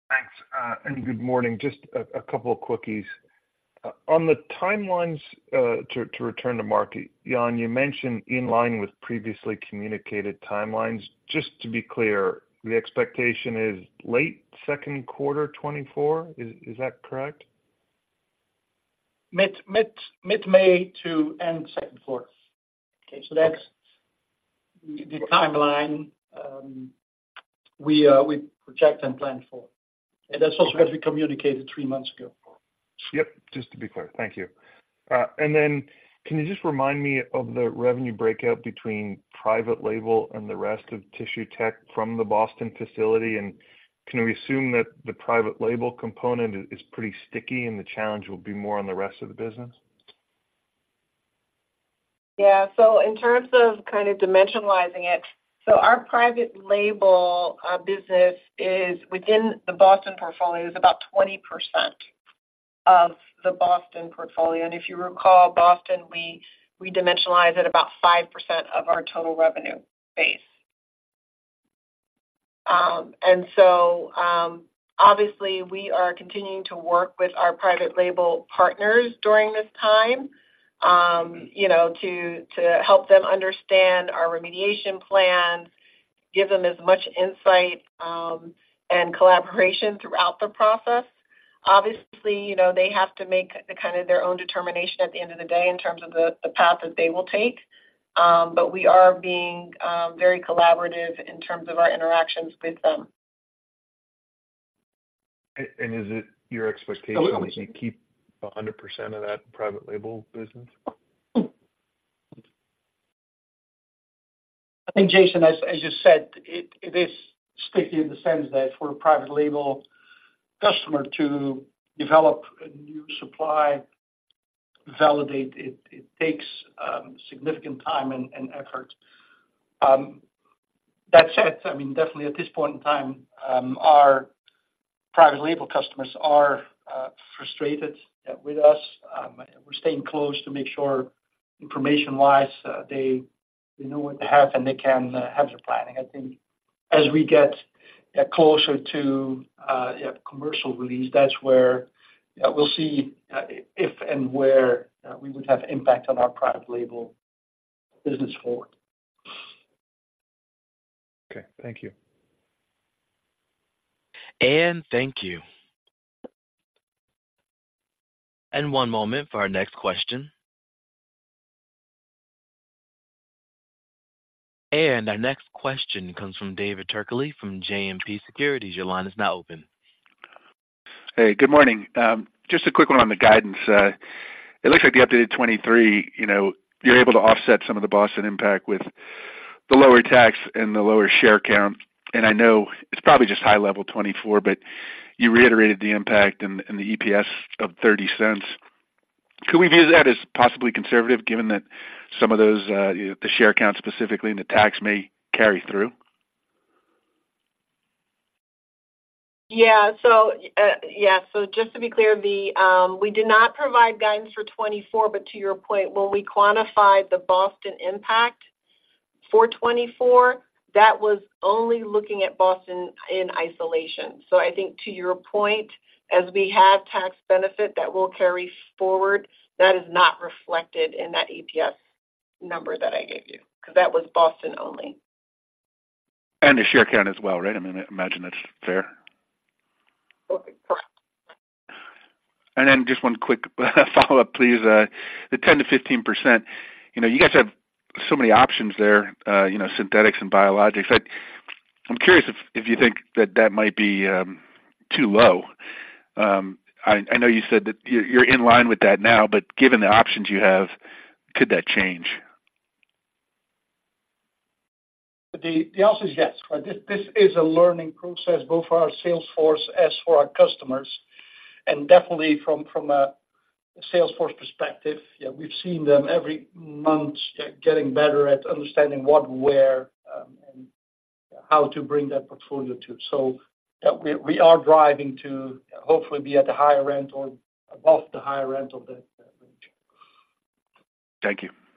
Thanks, and good morning. Just a couple of quickies. On the timelines, to return to market, Jan, you mentioned in line with previously communicated timelines. Just to be clear, the expectation is late second quarter 2024. Is that correct? Mid-May to end second quarter. Okay. That's the timeline we project and plan for. That's also what we communicated three months ago. Yep, just to be clear. Thank you. And then can you just remind me of the revenue breakout between private label and the rest of Tissue Tech from the Boston facility? And can we assume that the private label component is pretty sticky and the challenge will be more on the rest of the business? Yeah. So in terms of kind of dimensionalizing it, so our private label business is within the Boston portfolio, is about 20% of the Boston portfolio. And if you recall, Boston, we dimensionalize at about 5% of our total revenue base. And so, obviously, we are continuing to work with our private label partners during this time, you know, to help them understand our remediation plan, give them as much insight, and collaboration throughout the process. Obviously, you know, they have to make the kind of their own determination at the end of the day in terms of the path that they will take. But we are being very collaborative in terms of our interactions with them. Is it your expectation to keep 100% of that private label business? I think, Jason, as you said, it is sticky in the sense that for a private label customer to develop a new supply, validate it, it takes significant time and effort. That said, I mean, definitely at this point in time, our private label customers are frustrated with us. We're staying close to make sure information-wise, they know what they have and they can have their planning. I think as we get closer to commercial release, that's where we'll see if and where we would have impact on our private label business forward. Okay. Thank you. Thank you. And one moment for our next question. And our next question comes from David Turkaly from JMP Securities. Your line is now open. Hey, good morning. Just a quick one on the guidance. It looks like the updated 2023, you know, you're able to offset some of the Boston impact with the lower tax and the lower share count. And I know it's probably just high level 2024, but you reiterated the impact and the EPS of $0.30. Could we view that as possibly conservative, given that some of those, the share count specifically, and the tax may carry through? Yeah. So, yeah. So just to be clear, we did not provide guidance for 2024, but to your point, when we quantified the Boston impact for 2024, that was only looking at Boston in isolation. So I think to your point, as we have tax benefit that will carry forward, that is not reflected in that EPS number that I gave you, because that was Boston only. The share count as well, right? I mean, I imagine that's fair. Okay, correct. And then just one quick follow-up, please. The 10%-15%, you know, you guys have so many options there, you know, synthetics and biologics. I, I'm curious if, if you think that that might be too low. I, I know you said that you're, you're in line with that now, but given the options you have, could that change? The answer is yes. This is a learning process, both for our sales force as for our customers, and definitely from a sales force perspective. Yeah, we've seen them every month getting better at understanding what, where, and how to bring that portfolio too. So we are driving to hopefully be at the higher end or above the higher end of that range. Thank you.